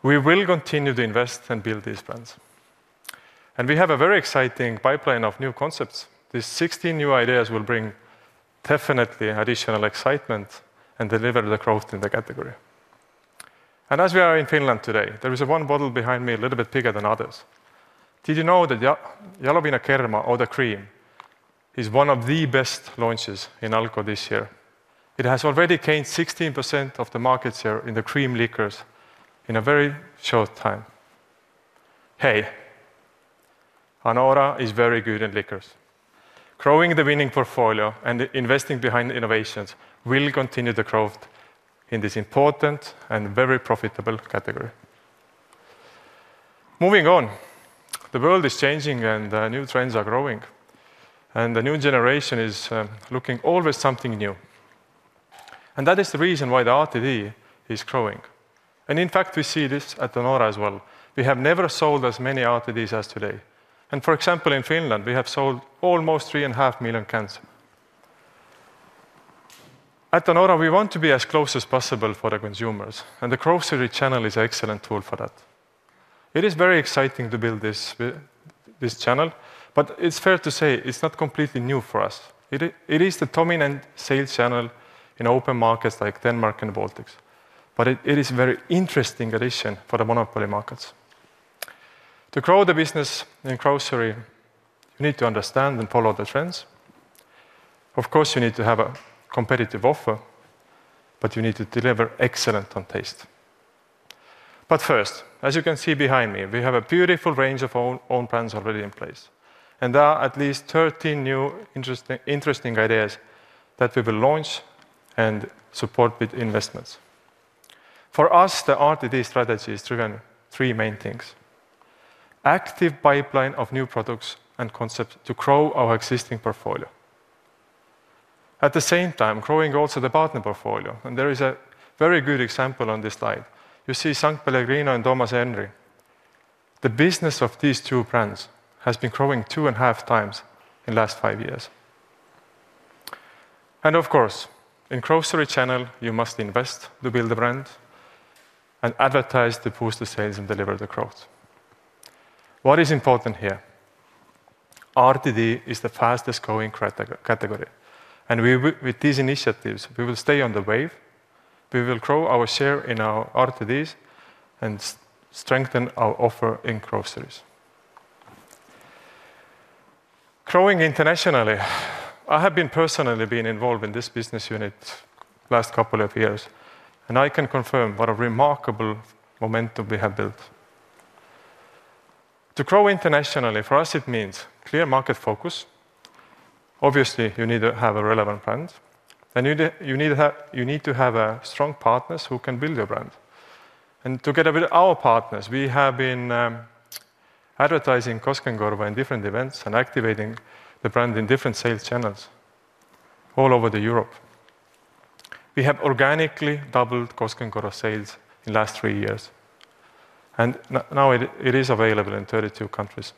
D: We will continue to invest and build these brands and we have a very exciting pipeline of new concepts. These 16 new ideas will bring definitely additional excitement and deliver the growth in the category. As we are in Finland today, there is one bottle behind me a little bit bigger than others. Did you know that Jaloviina Kerma or the Cream is one of the best launches in Alko this year? It has already gained 16% of the market share in the cream liqueurs in a very short time. Hey, Anora is very good in liqueurs. Growing the winning portfolio and investing behind innovations will continue to grow in this important and very profitable category. Moving on, the world is changing and new trends are growing and the new generation is looking always for something new. That is the reason why the RTD is growing. In fact, we see this at Anora as well. We have never sold as many RTDs as today. For example, in Finland we have sold almost 3.5 million cans. At Anora, we want to be as close as possible to the consumers and the grocery channel is an excellent tool for that. It is very exciting to build this channel, but it's fair to say it's not completely new for us. It is the dominant sales channel in open markets like Denmark and Baltics. It is a very interesting addition for the monopoly markets. To grow the business in grocery, you need to understand and follow the trends. Of course you need to have a competitive offer, but you need to deliver excellent on taste. First, as you can see behind me, we have a beautiful range of own brands already in place. There are at least 13 new interesting ideas that we will launch and support with investments. For us, the RTD strategy has driven three main things. Active pipeline of new products and concepts to grow our existing portfolio at the same time growing also the partner portfolio. There is a very good example on this slide. You see Sanpellegrino and Thomas Henry. The business of these two brands has been growing two and a half times in the last five years. Of course, in the grocery channel you must invest to build a brand and advertise to boost the sales and deliver the growth. What is important here, RTD is the fastest growing category. With these initiatives we will stay on the wave. We will grow our share in our RTDs and strengthen our offer in groceries. Growing internationally, I have personally been involved in this business unit the last couple of years and I can confirm what a remarkable momentum we have built to grow internationally. For us it means clear market focus. Obviously you need to have a relevant brand. Then you need to have strong partners who can build your brand. Together with our partners, we have been advertising Koskenkorva in different events and activating the brand in different sales channels all over Europe. We have organically doubled Koskenkorva sales in the last three years, and now it is available in 32 countries.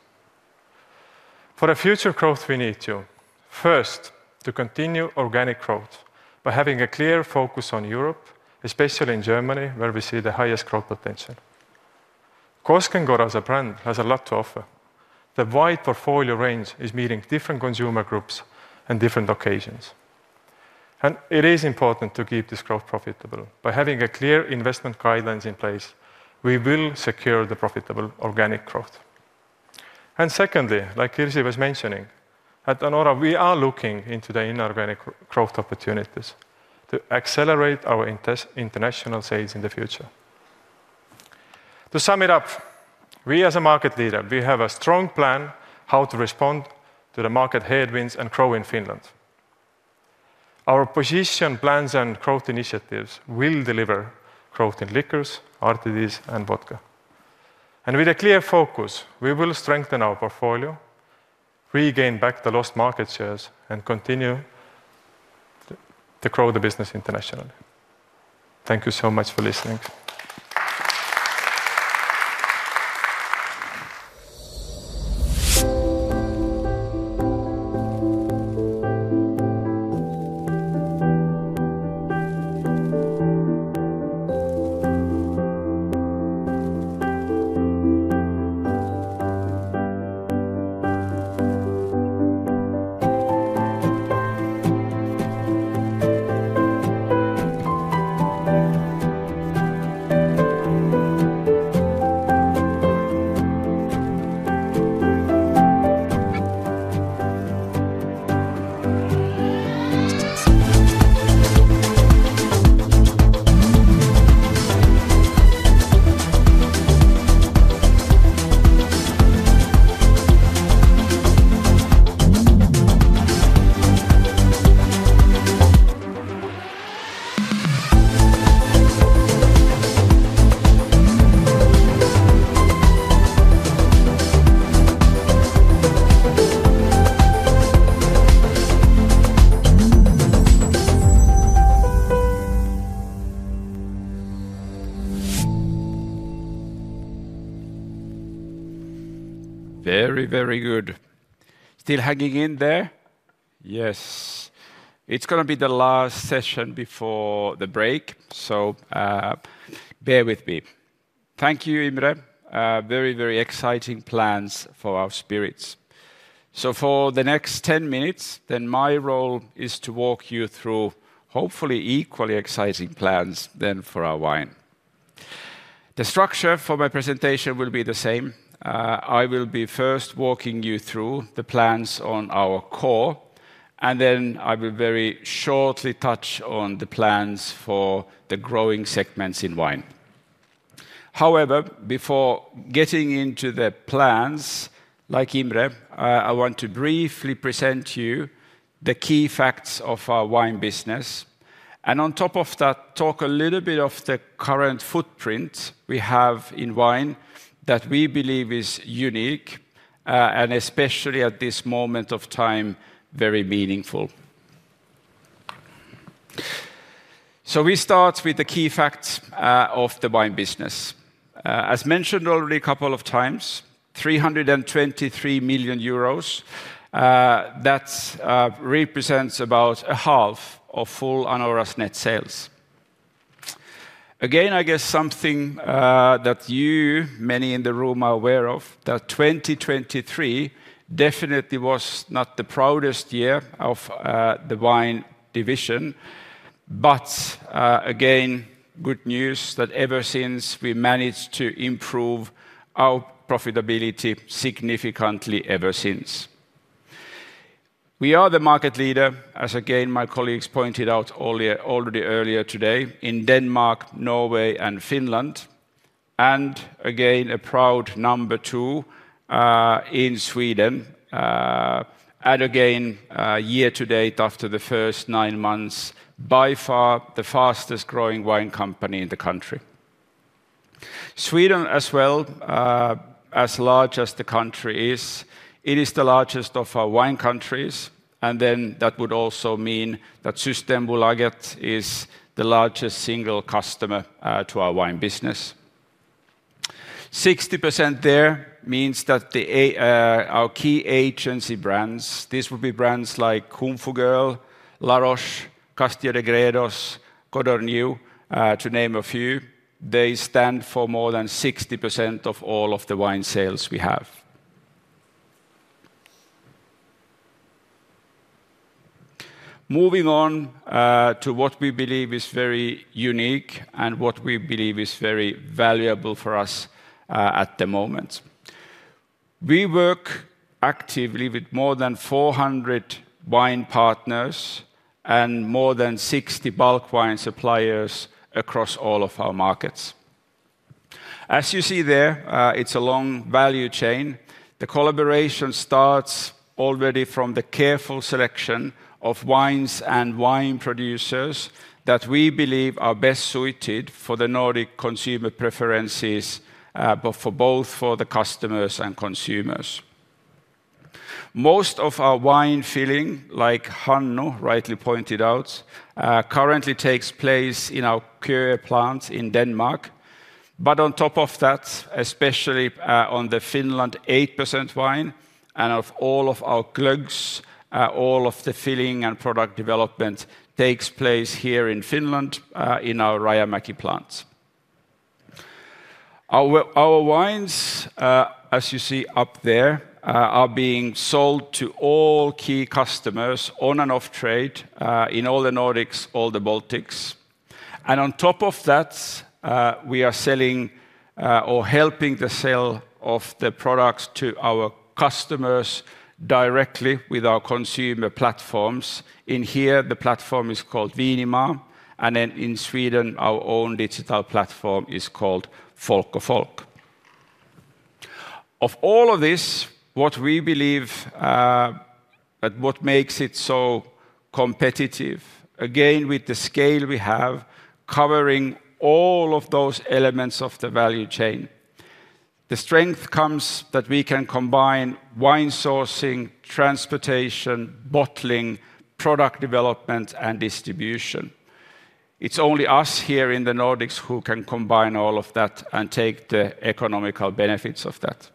D: For future growth, we need to first continue organic growth by having a clear focus on Europe, especially in Germany, where we see the highest growth potential. Koskenkorva as a brand has a lot to offer. The wide portfolio range is meeting different consumer groups and different occasions. It is important to keep this growth profitable. By having clear investment guidelines in place, we will secure the profitable organic growth. Secondly, like Kirsi was mentioning at Anora, we are looking into the inorganic growth opportunities to accelerate our international sales in the future. To sum it up, we as a market leader, we have a strong plan how to respond to the market headwinds and grow in Finland. Our position plans and growth initiatives will deliver growth in liquors, RTDs and vodka. With a clear focus, we will strengthen our portfolio, regain back the lost market shares and continue to grow the business internationally. Thank you so much for listening.
E: Very, very good. Still hanging in there? Yes. It is going to be the last session before the break, so bear with me. Thank you, Imre. Very, very exciting plans for our spirits. For the next 10 minutes, then my role is to walk you through hopefully equally exciting plans for our wine. The structure for my presentation will be the same. I will be first walking you through the plans on our core and then I will very shortly touch on the plans for the growing segments in wine. However, before getting into the plans, like Imre, I want to briefly present you the key facts of our wine business. On top of that, talk a little bit of the current footprint we have in wine that we believe is unique and especially at this moment of time, very meaningful. We start with the key facts of the wine business as mentioned already a couple of times. 323 million euros. That represents about half of full Anora's net sales. Again, I guess something that you, many in the room are aware of, that 2023 definitely was not the proudest year of the wine division. Again, good news that ever since we managed to improve our profitability significantly, ever since we are the market leader, as my colleagues pointed out already earlier today in Denmark, Norway, and Finland, and a proud number two in Sweden, and year to date, after the first nine months, by far the fastest growing wine company in the country. Sweden, as large as the country is, it is the largest of our wine countries. That would also mean that Systembolaget is the largest single customer to our wine business. 60% there means that our key agency brands, these would be brands like Kung Fu Girl, Laroche, Castia, Degrados, Codorniu, to name a few, they stand for more than 60% of all of the wine sales we have. Moving on to what we believe is very unique and what we believe is very valuable. Valuable for us. At the moment, we work actively with more than 400 wine partners and more than 60 bulk wine suppliers across all of our markets. As you see there, it's a long value chain. The collaboration starts already from the careful selection of wines and wine producers that we believe are best suited for the Nordic consumer preferences, both for the customers and consumers. Most of our wine filling, like Hannu rightly pointed out, currently takes place in our plant in Denmark. On top of that, especially on the Finland 8% wine, and of all of our glöggs, all of the filling and product development takes place here in Finland, in our Rajamäki plants. Our wines, as you see up there, are being sold to all key customers on and off trade in all the Nordics, all the Baltics. On top of that we are selling or helping the sale of the products to our customers directly with our consumer platforms. In here the platform is called Viinimaa. In Sweden, our own digital platform is called folk o folk. Of all of this, what we believe, what makes it so competitive, again, with the scale we have covering all of those elements of the value chain, the strength comes that we can combine wine sourcing, transportation, bottling, product development, and distribution. It's only us here in the Nordics who can combine all of that and take the economical benefits of that.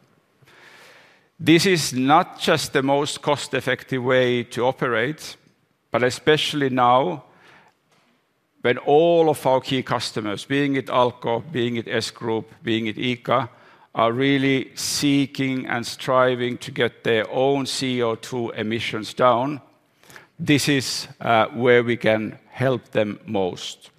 E: This is not just the most cost-effective way to operate, but especially now when all of our key customers, being it Alko, being it S Group, being it ICA, are really seeking and striving to get their own CO2 emissions down. This is where we can help them most.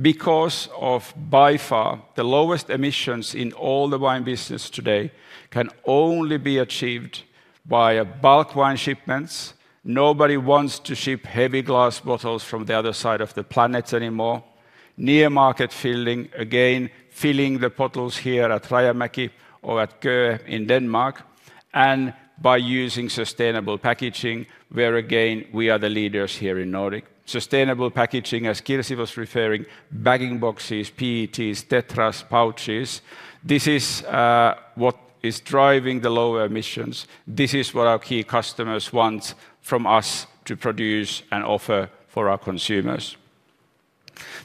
E: Because by far the lowest emissions in all, the wine business today can only be achieved by bulk wine shipments. Nobody wants to ship heavy glass bottles from the other side of the planet anymore. Near market filling again, filling the potholes here at Rajamäki or in Denmark and by using sustainable packaging, where again we are the leaders here in Nordic sustainable packaging, as Kirsi was referring, bag-in-boxes, PETs, Tetras, pouches. This is what is driving the lower emissions. This is what our key customers want from us to produce and offer for our consumers.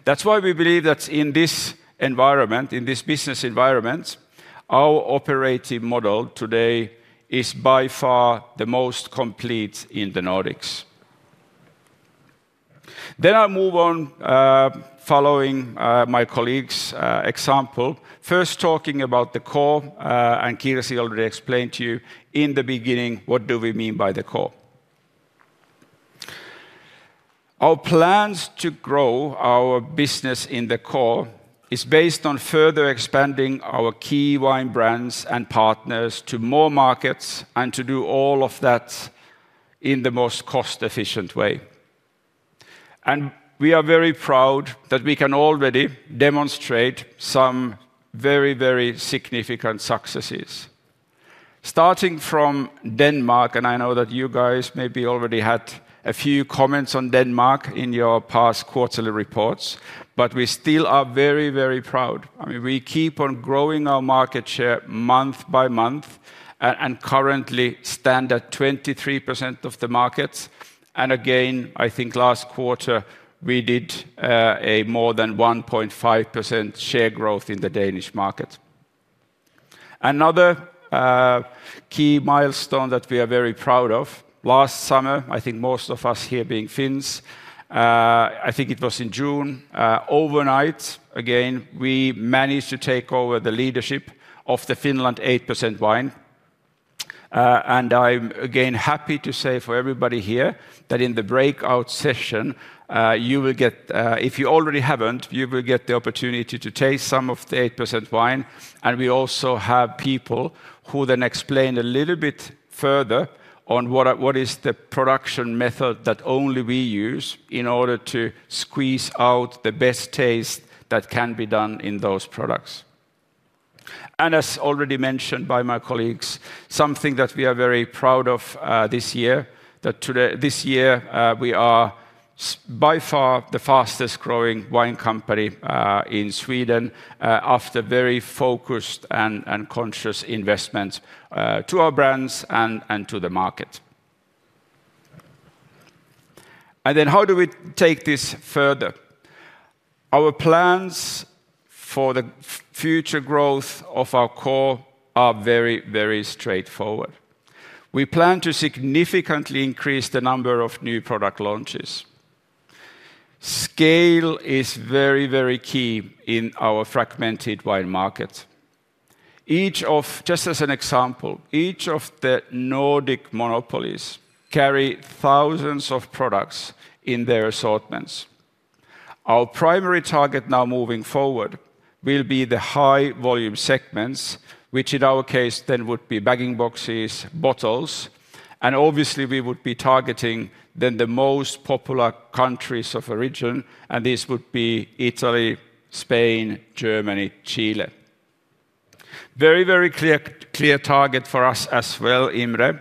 E: That is why we believe that in this environment, in this business environment, our operative model today is by far the most complete in the Nordics. I move on following my colleague's example. First, talking about the core and Kirsi already explained to you in the beginning, what do we mean by the core? Our plans to grow our business in the CORE is based on further expanding our key wine brands and partners to more markets and to do all of that in the most cost efficient way. We are very proud that we can already demonstrate some very, very significant successes starting from Denmark. I know that you guys maybe already had a few comments on Denmark in your past quarterly reports, but we still are very, very proud. I mean, we keep on growing our market share month by month and currently stand at 23% of the market. I think last quarter we did a more than 1.5% share growth in the Danish market. Another key milestone that we are very proud of. Last summer, I think most of us here being Finns, I think it was in June, overnight again we managed to take over the leadership of the Finland 8% wine. I am again happy to say for everybody here that in the breakout session you will get, if you already haven't, you will get the opportunity to taste some of the 8% wine. We also have people who then explain a little bit further on what is the production method that only we use in order to squeeze out the best taste that can be done in those products. As already mentioned by my colleagues, something that we are very proud of this year, this year we are by far the fastest growing wine company in Sweden after very focused and conscious investments to our brands and to the market. How do we take this further? Our plans for the future growth of our core are very, very straightforward. We plan to significantly increase the number of new product launches. Scale is very, very key in our fragmented wine market. Just as an example, each of the Nordic monopolies carry thousands of products in their assortments. Our primary target now moving forward will be the high volume segments, which in our case then would be bag-in-boxes, bottles, and obviously we would be targeting then the most popular countries of origin, and this would be Italy, Spain, Germany, Chile. Very, very clear target for us as well. Imre,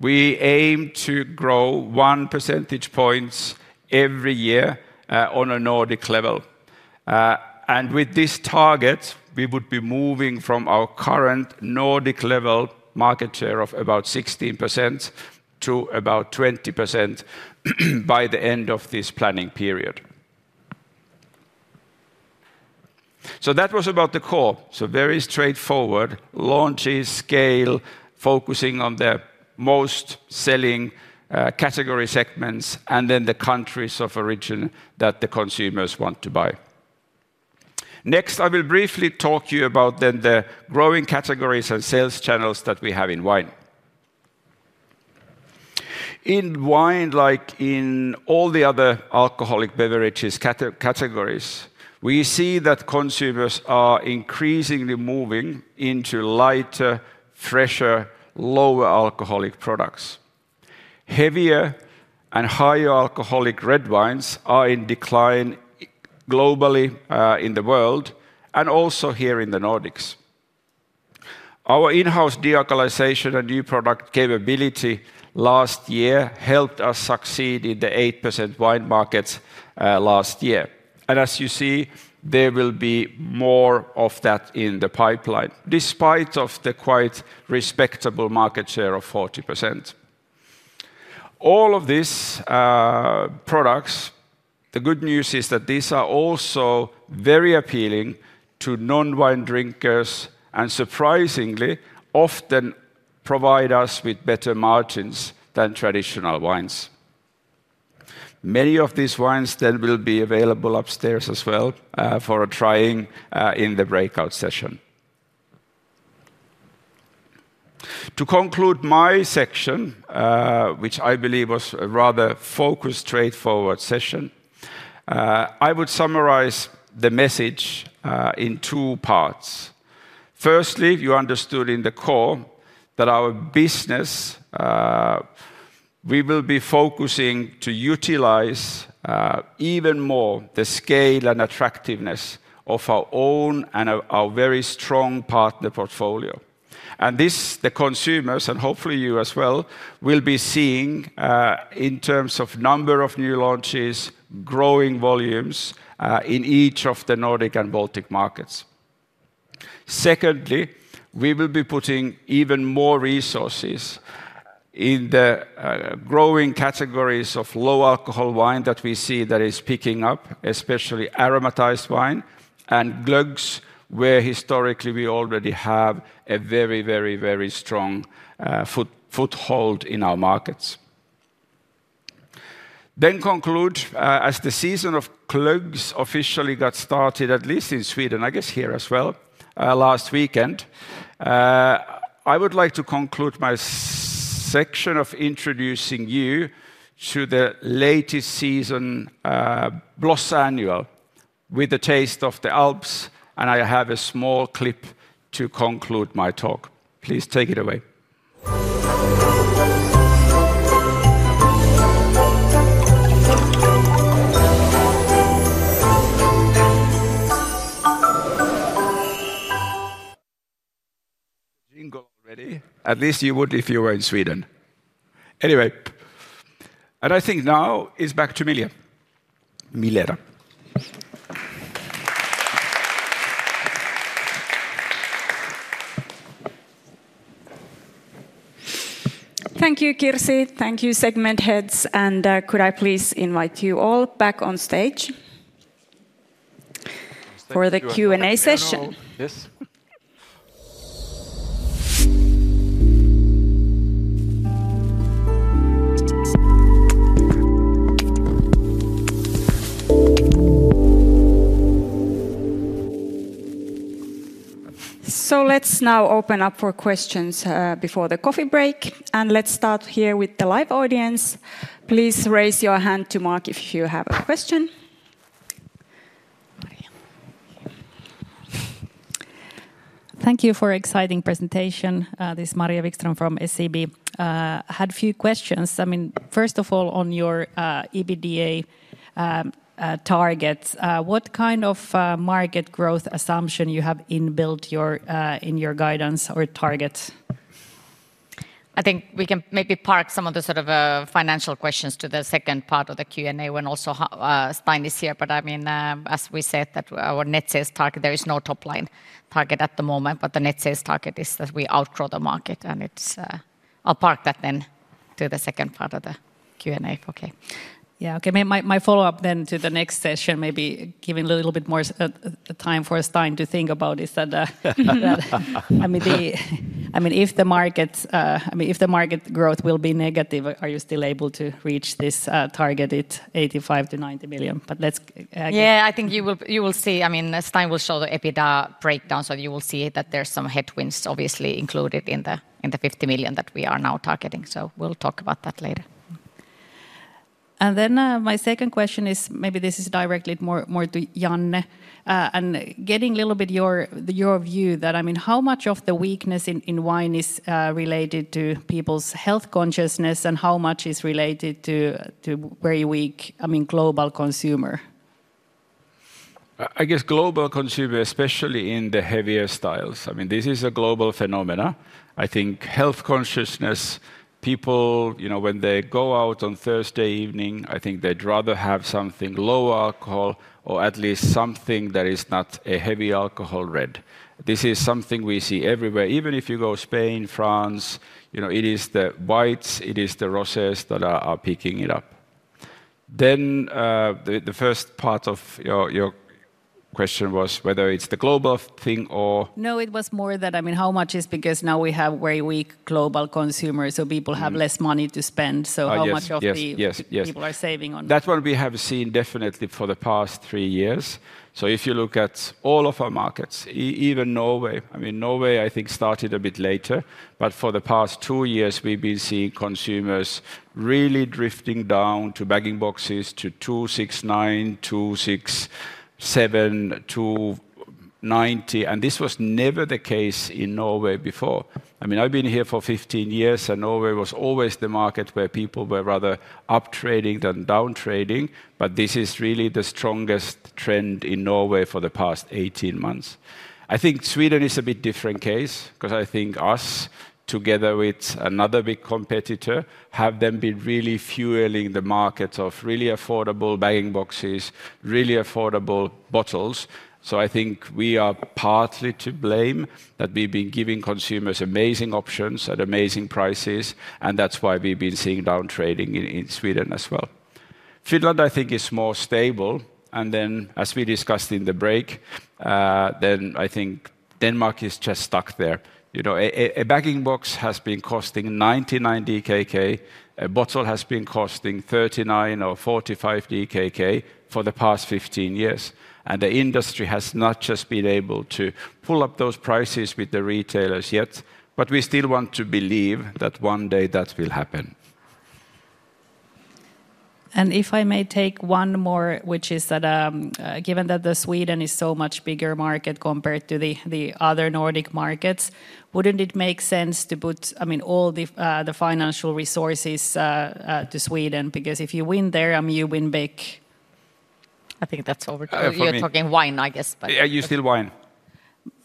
E: we aim to grow 1 percentage points every year on a Nordic level. With this target we would be moving from our current Nordic level to market share of about 16% to about 20% by the end of this planning period. That was about the core. Very straightforward launches scale, focusing on the most selling category segments and then the countries of origin that the consumers want to buy. Next I will briefly talk to you about the growing categories and sales channels that we have in wine. In wine, like in all the other alcoholic beverages categories, we see that consumers are increasingly moving into lighter, fresher, lower alcoholic products. Heavier and higher alcoholic red wines are in decline globally in the world and also here in the Nordics. Our in-house de-alkalization and new product capability last year helped us succeed in the 8% wine markets last year. As you see, there will be more of that in the pipeline. Despite the quite respectable market share of 40% of all of these products, the good news is that these are also very appealing to non-wine drinkers and surprisingly often provide us with better margins than traditional wines. Many of these wines then will be available upstairs as well for a trying in the breakout session. To conclude my section, which I believe was a rather focused, straightforward session, I would summarize the message in two parts. Firstly, you understood in the core that our business, we will be focusing to utilize even more the scale and attractiveness of our own and our very strong partner portfolio. This the consumers, and hopefully you as well, will be seeing in terms of number of new launches, growing volumes in each of the Nordic and Baltic markets. Secondly, we will be putting even more resources in the growing categories of low alcohol wine that we see that is picking up, especially aromatized wine and glöggs, where historically we already have a very, very, very strong foothold in our markets. Then, as the season of glöggs officially got started at least in Sweden, I guess here as well last weekend, I would like to conclude my section by introducing you to the latest season Blossa with the taste of the Alps. I have a small clip to conclude my talk. Please take it away. At least you would if you were in Sweden anyway. I think now it's back to Milena Hæggström.
A: Thank you, Kirsi. Thank you, segment heads. Could I please invite you all back on stage for the Q and A session. Let's now open up for questions before the coffee break, and let's start here with the live audience. Please raise your hand to Mark if you have a question.
F: Thank you for exciting presentation. This is Maria Wikström from SaaB. had few questions. I mean, first of all, on your EBITDA targets, what kind of market growth assumption do you have inbuilt in your guidance or targets.
B: I think we can maybe park some of the sort of financial questions to the second part of the Q and A when also Stein is here. I mean, as we said that our net sales target, there is no top line target at the moment, but the net sales target is that we outgrow the market and it's. I'll park that then to the second part of the Q and A. Okay.
F: Yeah. Okay. My follow up then to the next session, maybe giving a little bit more time for Stein to think about, is that I mean if the market, I mean if the market growth will be negative, are you still able to reach this targeted 85-90 million? But let's.
B: Yeah, I think you will see, I mean Stein will show the EBITDA breakdown. You will see that there's some headwinds obviously included in the 50 million that we are now targeting. We will talk about that later.
F: My second question is maybe this is directly more to Janne and getting a little bit your, your view that I mean how much of the weakness in wine is related to people's health consciousness. And how much is related to very weak, I mean, global consumer.
E: I guess global consumer, especially in the heavier styles. I mean, this is a global phenomena. I think health consciousness. People, when they go out on Thursday evening, I think they'd rather have something low alcohol or at least something that is not a heavy alcohol red. This is something we see everywhere. Even if you go Spain, France, it is the whites, it is the roses that are picking it up. The first part of your question was whether it's the global thing or.
F: No, it was more that. I mean, how much is. Because now we have very weak global consumer. People have less money to spend. How much of the people are saving on?
E: That's what we have seen definitely for the past three years. If you look at all of our markets, even Norway, I mean, Norway I think started a bit later, but for the past two years we've been seeing consumers really drifting down to bag-in-boxes to 2.69, 2.67, 2.90. This was never the case in Norway before. I mean, I've been here for 15 years and Norway was always the market where people were rather uptrading than downtrading. This is really the strongest trend in Norway for the past 18 months. I think Sweden is a bit different case because I think us, together with another big competitor, have been really fueling the market of really affordable bag-in-boxes, really affordable bottles. I think we are partly to blame that we've been giving consumers amazing options at amazing prices. That is why we have been seeing down trading in Sweden as well. Finland, I think, is more stable. As we discussed in the break, I think Denmark is just stuck there. You know, a bag-in-box has been costing 99 DKK. A bottle has been costing 39 or 45 DKK for the past 15 years. The industry has not just been able to pull up those prices with the retailers yet, but we still want to believe that one day that will happen.
F: If I may take one more, which is that given that Sweden is so much bigger market compared to the other Nordic markets, wouldn't it make sense to put all the financial resources to Sweden? Because if you win there, you win big.
B: I think that's over. You're talking wine, I guess, but you still.
E: Wine.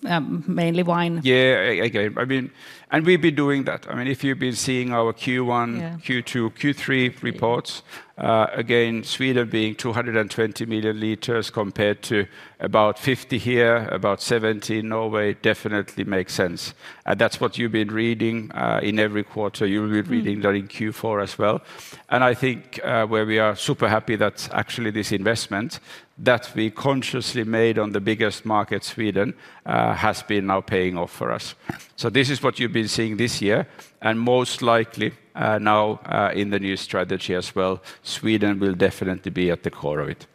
F: Mainly wine.
E: Yeah. Okay. I mean, and we've been doing that. I mean, if you've been seeing our Q1, Q2, Q3 reports, again, Sweden being 220 million liters compared to about 50 here, about 70 Norway definitely makes sense. That's what you've been reading in every quarter. You'll be reading that in Q4 as well. I think where we are super happy that actually this investment that we consciously made on the biggest market, Sweden, has been now paying off for us. This is what you've been seeing this year and most likely now in the new strategy as well. Sweden will definitely be at the core of it.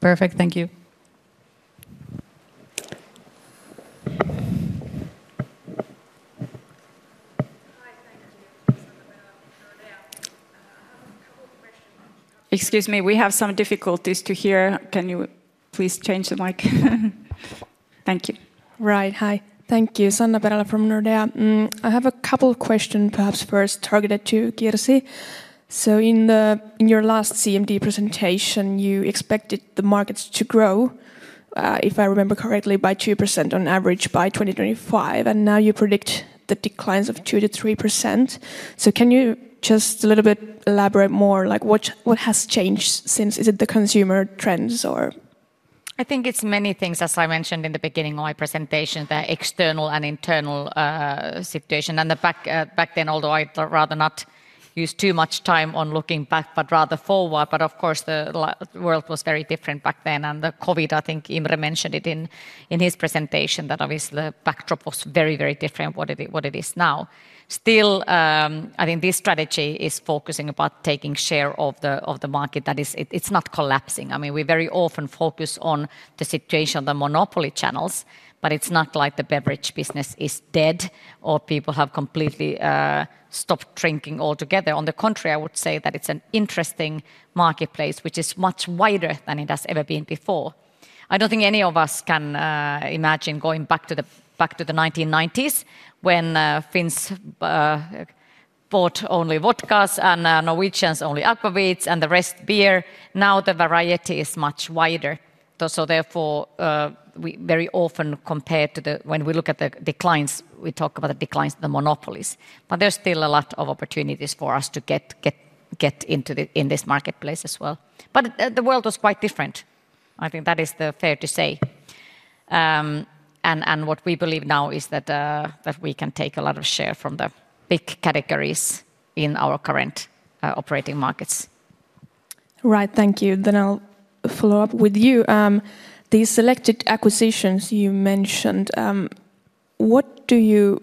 F: Perfect. Thank you.
A: Excuse me, we have some difficulties to hear. Can you please change the mic? Thank you.
G: Right. Hi, thank you. Sanna Perela from Nordea. I have a couple of questions, perhaps first targeted to Kirsi. In your last CMD presentation, you expected the markets to grow, if I remember correctly, by 2% on average by 2025. Now you predict the declines of 2-3%. Can you just a little bit elaborate more, like what has changed since? Is it the consumer trends or.
B: I think it's many things. As I mentioned in the beginning of my presentation, the external and internal situation and the fact back then, although I'd rather not use too much time on looking back, but rather forward. Of course the world was very different back then and the COVID, I think Imre mentioned it in his presentation, that obviously the backdrop was very, very different from what it is now. Still, I think this strategy is focusing about taking share of the market, that it's not collapsing. I mean, we very often focus on the situation of the monopoly channels. It's not like the beverage business is dead or people have completely stopped drinking altogether. On the contrary, I would say that it's an interesting marketplace which is much wider than it has ever been before. I don't think any of us can imagine going back to the 1990s when Finns bought only vodkas and Norwegians only aquavits and the rest beer. Now the variety is much wider. Therefore, very often compared to the, when we look at the declines, we talk about the declines in the monopolies, but there's still a lot of opportunities for us to get in this marketplace as well. The world was quite different, I think that is fair to say. What we believe now is that we can take a lot of share from the big categories in our current operating markets.
G: Right, thank you. Then I'll follow up with you. The selected acquisitions you mentioned, what do you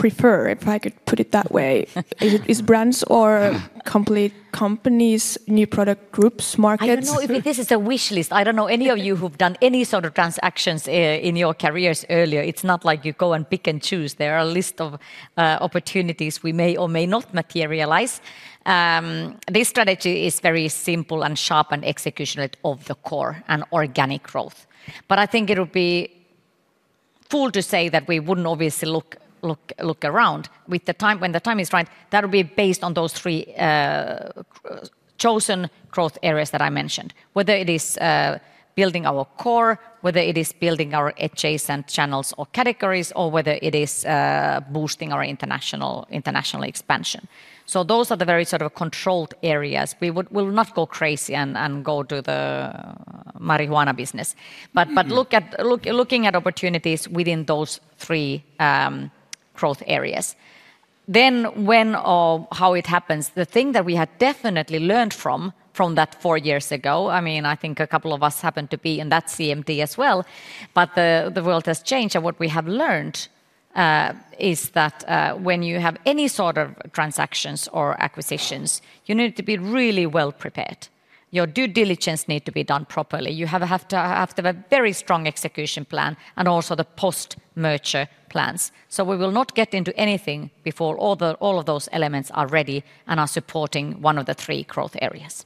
G: prefer, if I could put it that way, is brands or complete companies, new product groups, markets?
B: This is a wish list. I don't know any of you who've done any sort of transactions in your careers earlier. It's not like you go and pick and choose. There are a list of opportunities we may or may not materialize. This strategy is very simple and sharp and execution of the core and organic growth. I think it would be fool to say that we wouldn't obviously look around with the time when the time is right that will be based on those three chosen growth areas that I mentioned. Whether it is building our core, whether it is building our adjacent channels or categories or whether it is boosting our international expansion. Those are the very sort of controlled areas. We will not go crazy and go to the marijuana business. Looking at opportunities within those three growth areas, when or how it happens, the thing that we had definitely learned from that four years ago, I mean I think a couple of us happen to be in that CMD as well. The world has changed and what we have learned is that when you have any sort of transactions or acquisitions, you need to be really well prepared. Your due diligence needs to be done properly. You have to have a very strong execution plan and also the post merger plans. We will not get into anything before all of those elements are ready and are supporting one of the three growth areas.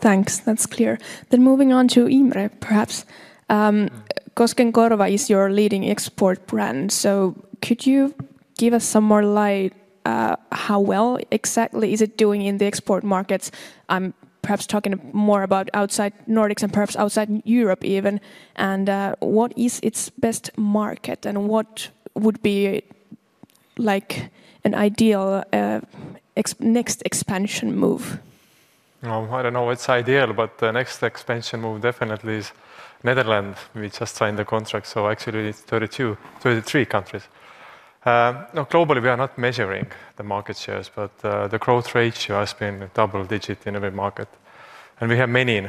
G: Thanks, that's clear. Moving on to Imre, perhaps Koskenkorva is your leading export brand. Could you give us some more light? How well exactly is it doing in the export markets? I'm perhaps talking more about outside Nordics and perhaps outside Europe even. What is its best market and what would be like an ideal next expansion move.
D: I don't know it's ideal, but the next expansion move definitely is Netherlands. We just signed the contract, so actually 32, 33 countries globally. We are not measuring the market shares, but the growth ratio has been double digit in every market, and we have many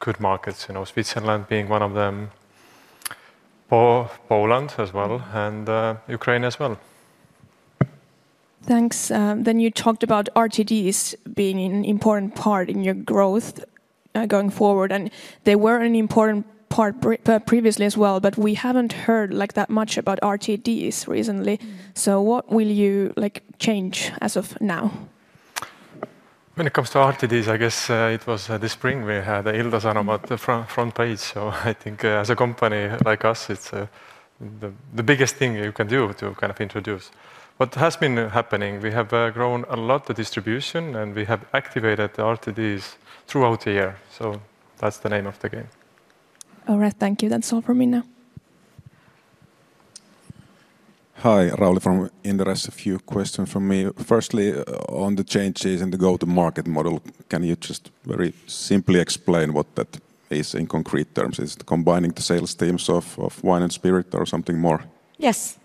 D: good markets, you know, Switzerland being one of them, Poland as well, and Ukraine as well.
G: Thanks. You talked about RTDs being an important part in your growth going forward and they were an important part previously as well. We haven't heard like that much about RTDs recently. What will you change as of.
D: Now when it comes to RTDs, I guess it was this spring we had Ildes Aromat front page. I think as a company like us, it's the biggest thing you can do to kind of introduce what has been happening. We have grown a lot the distribution and we have activated the RTDs throughout the year. That's the name of the game.
G: All right, thank you. That's all for me now.
H: Hi, Rauli from Inderes. A few questions for me. Firstly, on the changes in the go to market model, can you just very simply explain what that is in concrete terms? Is it combining the sales teams of wine and spirit or something more?
B: Yes.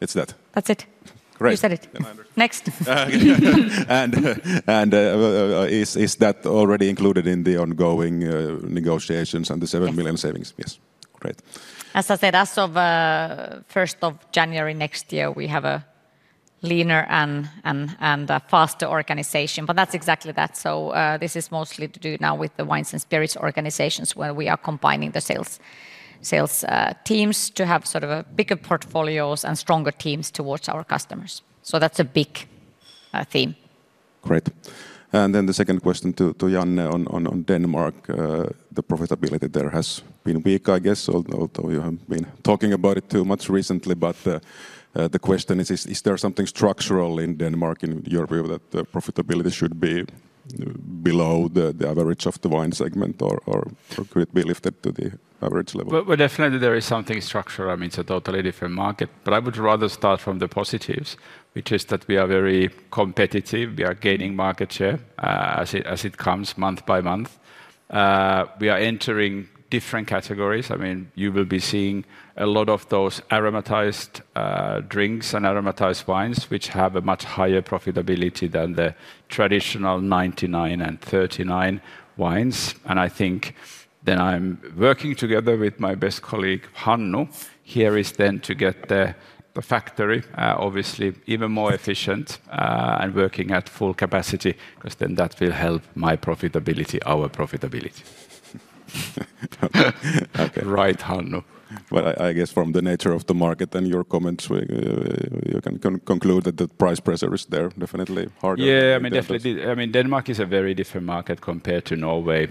H: It's that.
B: That's it.
H: Great.
B: You said it. Next.
H: Is that already included in the ongoing negotiations and the 7 million savings? Yes. Great.
B: As I said, as of 1st of January next year we have a leaner and faster organization. That is exactly that. This is mostly to do now with the wines and spirits organizations where we are combining the sales teams to have sort of a bigger portfolios and stronger teams towards our customers. That is a big theme.
H: Great. The second question to Janne on Denmark. The profitability there has been weak, I guess, although you have not been talking about it too much recently. The question is, is there something structural in Denmark in your view that profitability should be below the average of the wine segment or could it be lifted to the average level?
E: There is definitely something structural. I mean, it's a totally different market. I would rather start from the positives, which is that we are very competitive, we are gaining market share as it comes month by month. We are entering different categories. I mean, you will be seeing a lot of those aromatized drinks and aromatized wines which have a much higher profitability than the traditional 99 and 39 wines. I think then I'm working together with my best colleague, Hannu here, to get the factory obviously even more efficient and working at full capacity, because that will help my profitability. Our profitability, right, Hannu?
H: I guess from the nature of the market and your comments, you can conclude that the price pressure is there. Definitely harder.
E: Yeah, definitely. I mean, Denmark is a very different market compared to Norway,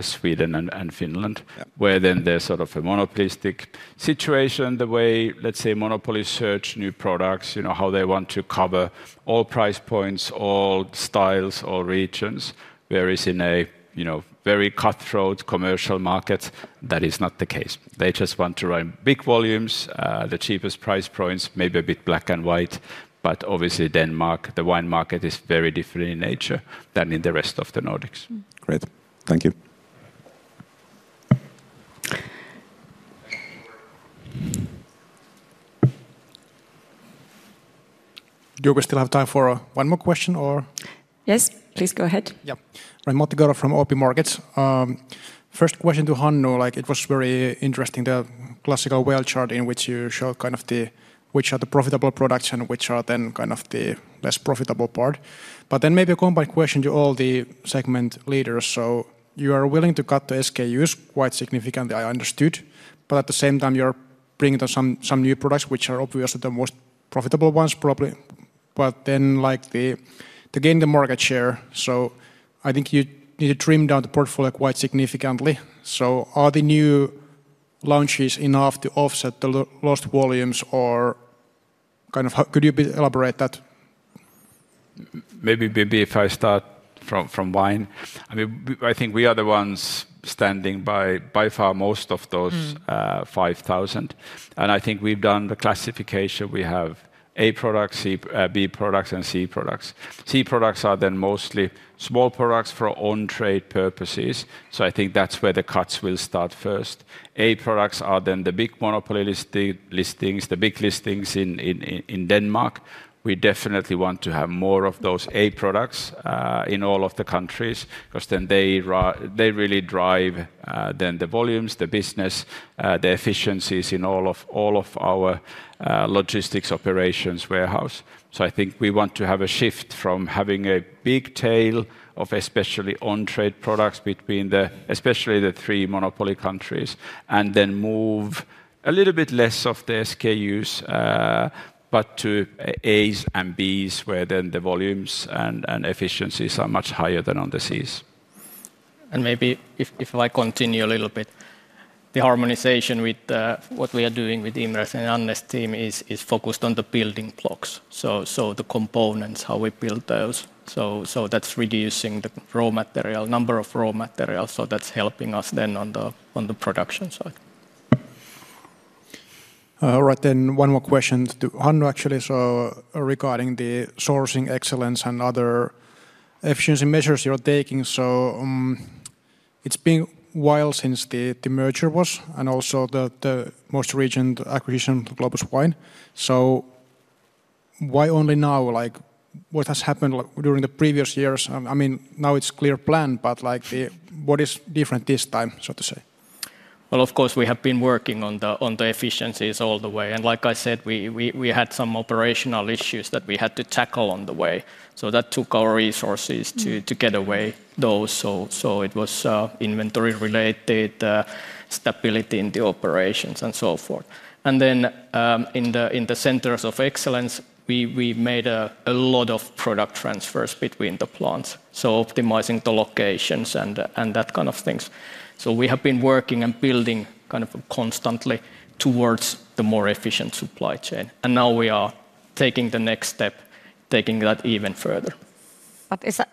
E: Sweden, and Finland, where then there's sort of a monopolistic situation, the way, let's say, monopolies search new products, you know, how they want to cover all price points, all styles, all regions. Whereas in a very cutthroat commercial market that is not the case. They just want to run big volumes, the cheapest price points, maybe a bit black and white, but obviously Denmark, the wine market is very different in nature than in the rest of the Nordics.
H: Great, thank you.
I: Do we still have time for one more question?
B: Yes, please, go ahead.
I: Yeah, I'm from opmarkets. First question to Hannu, like it was very interesting, the classical whale chart in which you show kind of the, which are the profitable products and which are then kind of the less profitable part. But then maybe a combined question to all the segment leaders. You are willing to cut the SKUs quite significantly, I understood. At the same time you're bringing some new products which are obviously the most profitable ones probably. To gain the market share, I think you need to trim down the portfolio quite significantly. Are the new launches enough to offset the lost volumes or could you elaborate that?
E: Maybe if I start from wine. I mean I think we are the ones standing by far. Most of those 5,000 and I think we've done the classification. We have A products, B products, and C products. C products are then mostly small products for on trade purposes. I think that's where the cuts will start. First, A products are then the big monopoly listings, the big listings in Denmark. We definitely want to have more of those A products in all of the countries because then they really drive the volumes, the business, the efficiencies in all of our logistics operations, warehouse. I think we want to have a shift from having a big tail of especially on-trade products between the, especially the three monopoly countries, and then move a little bit less of the SKUs but to As and Bs where then the volumes and efficiencies are much higher than on the Cs.
C: Maybe if I continue a little bit, the harmonization with what we are doing with Imre's and Janne's team is focused on the building blocks. The components, how we build those. That is reducing the number of raw materials. That is helping us then on the production side.
I: All right then one more question to Hannu actually. So regarding the sourcing excellence and other efficiency measures you're taking. It's been a while since the merger was and also the most recent acquisition to Globus Wine. Why only now, like what has happened during the previous years? I mean now it's clear plan, but like what is different this time, so to say?
C: Of course we have been working on the efficiencies all the way and like I said we had some operational issues that we had to tackle on the way. That took our resources to get away those. It was inventory related stability in the operations and so forth. In the centers of excellence we made a lot of product transfers between the plants, optimizing the locations and that kind of things. We have been working and building kind of constantly towards the more efficient supply chain and now we are taking the next step, taking that even further.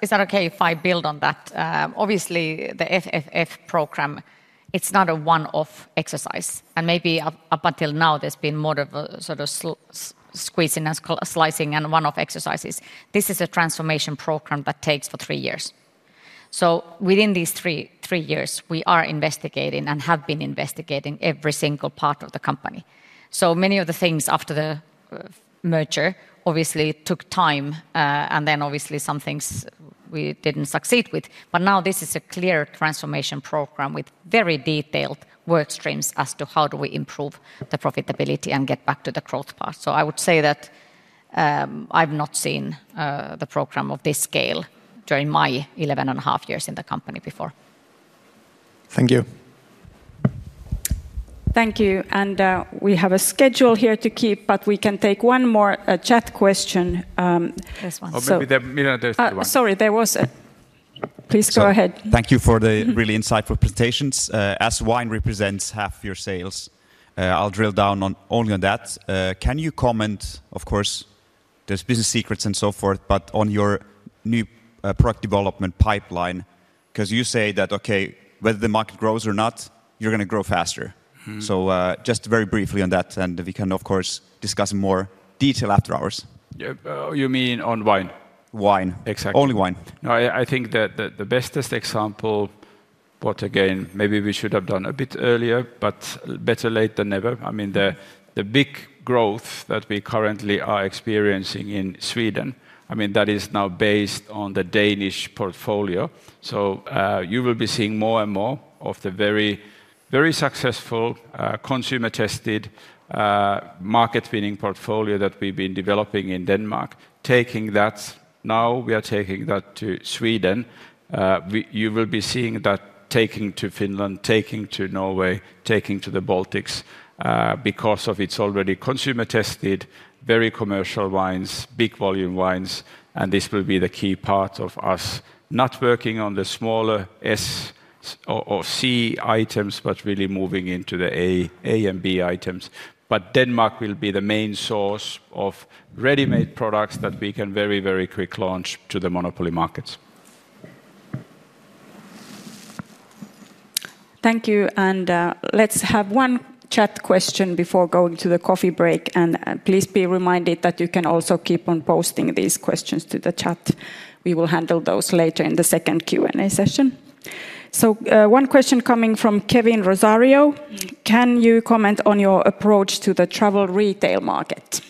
B: Is that okay if I build on that? Obviously the FFF program, it's not a one off exercise and maybe up until now there's been more of a sort of squeezing, slicing and one off exercises. This is a transformation program that takes for three years. Within these three years we are investigating and have been investigating every single part of the company. Many of the things after the merger obviously took time and then obviously some things we didn't succeed with. Now this is a clear transformation program with very detailed work streams as to how do we improve the profitability and get back to the growth path. I would say that I've not seen the program of this scale during my eleven and a half years in the company before.
I: Thank you.
A: Thank you. We have a schedule here to keep. We can take one more chat question. Sorry, there was a—please go ahead.
J: Thank you for the really insightful presentations. As wine represents half your sales, I'll drill down only on that. Can you comment? Of course there's business secrets and so forth, but on your new product development pipeline because you say that okay, whether the market grows or not, you're going to grow faster. Just very briefly on that and we can of course discuss in more detail after hours.
E: You mean on wine?
J: Wine, exactly, wine.
E: I think that the bestest example, what again maybe we should have done a bit earlier, but better late than never. I mean the big growth that we currently are experiencing in Sweden, I mean that is now based on the Danish portfolio. You will be seeing more and more of the very, very successful consumer tested, market winning portfolio that we've been developing in Denmark. Taking that, now we are taking that to Sweden. You will be seeing that taking to Finland, taking to Norway, taking to the Baltics because of its already consumer tested, very commercial wines, big volume wines. This will be the key part of us not working on the smaller S or C items but really moving into the A and B items. Denmark will be the main source of ready made products that we can very, very quick launch to the monopoly markets.
A: Thank you. Let's have one chat question before going to the coffee break. Please be reminded that you can also keep on posting these comments and questions to the chat. We will handle those later in the second Q&A session. One question coming from Kevin Rosario: can you comment on your approach to the travel retail market?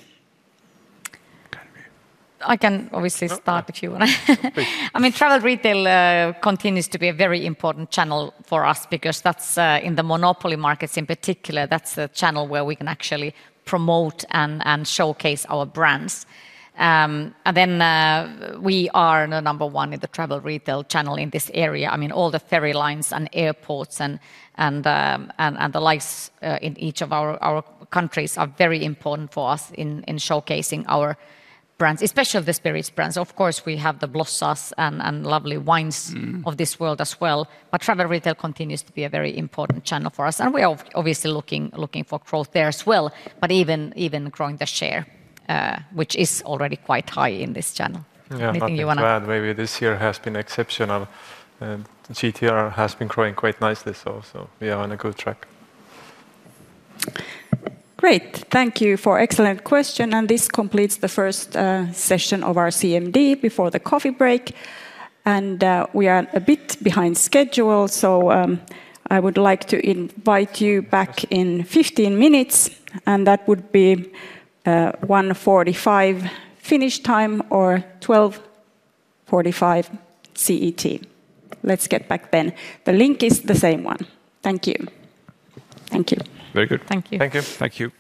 B: I can obviously start if you want to. I mean, travel retail continues to be a very important channel for us because that's in the monopoly markets in particular. That's the channel where we can actually promote and showcase our brands. I mean, we are number one in the travel retail channel in this area. I mean, all the ferry lines and airports and the likes in each of our countries are very important for us in showcasing our brands, especially the spirits brands. Of course, we have the Blossa and lovely wines of this world as well. Travel retail continues to be a very important channel for us and we are obviously looking for growth there as well, even growing the share which is already quite high in this channel. Anything you want to add?
D: Maybe this year has been exceptional. GTR has been growing quite nicely. We are on a good track.
A: Great. Thank you for excellent question. This completes the first session of our CMD before the coffee break and we are a bit behind schedule. I would like to invite you back in 15 minutes. That would be 1:45 Finnish time or 12:45 CET. Let's get back then. The link is the same one. Thank you. Thank you.
D: Very good.
B: Thank you.
E: Thank you.
C: Thank you.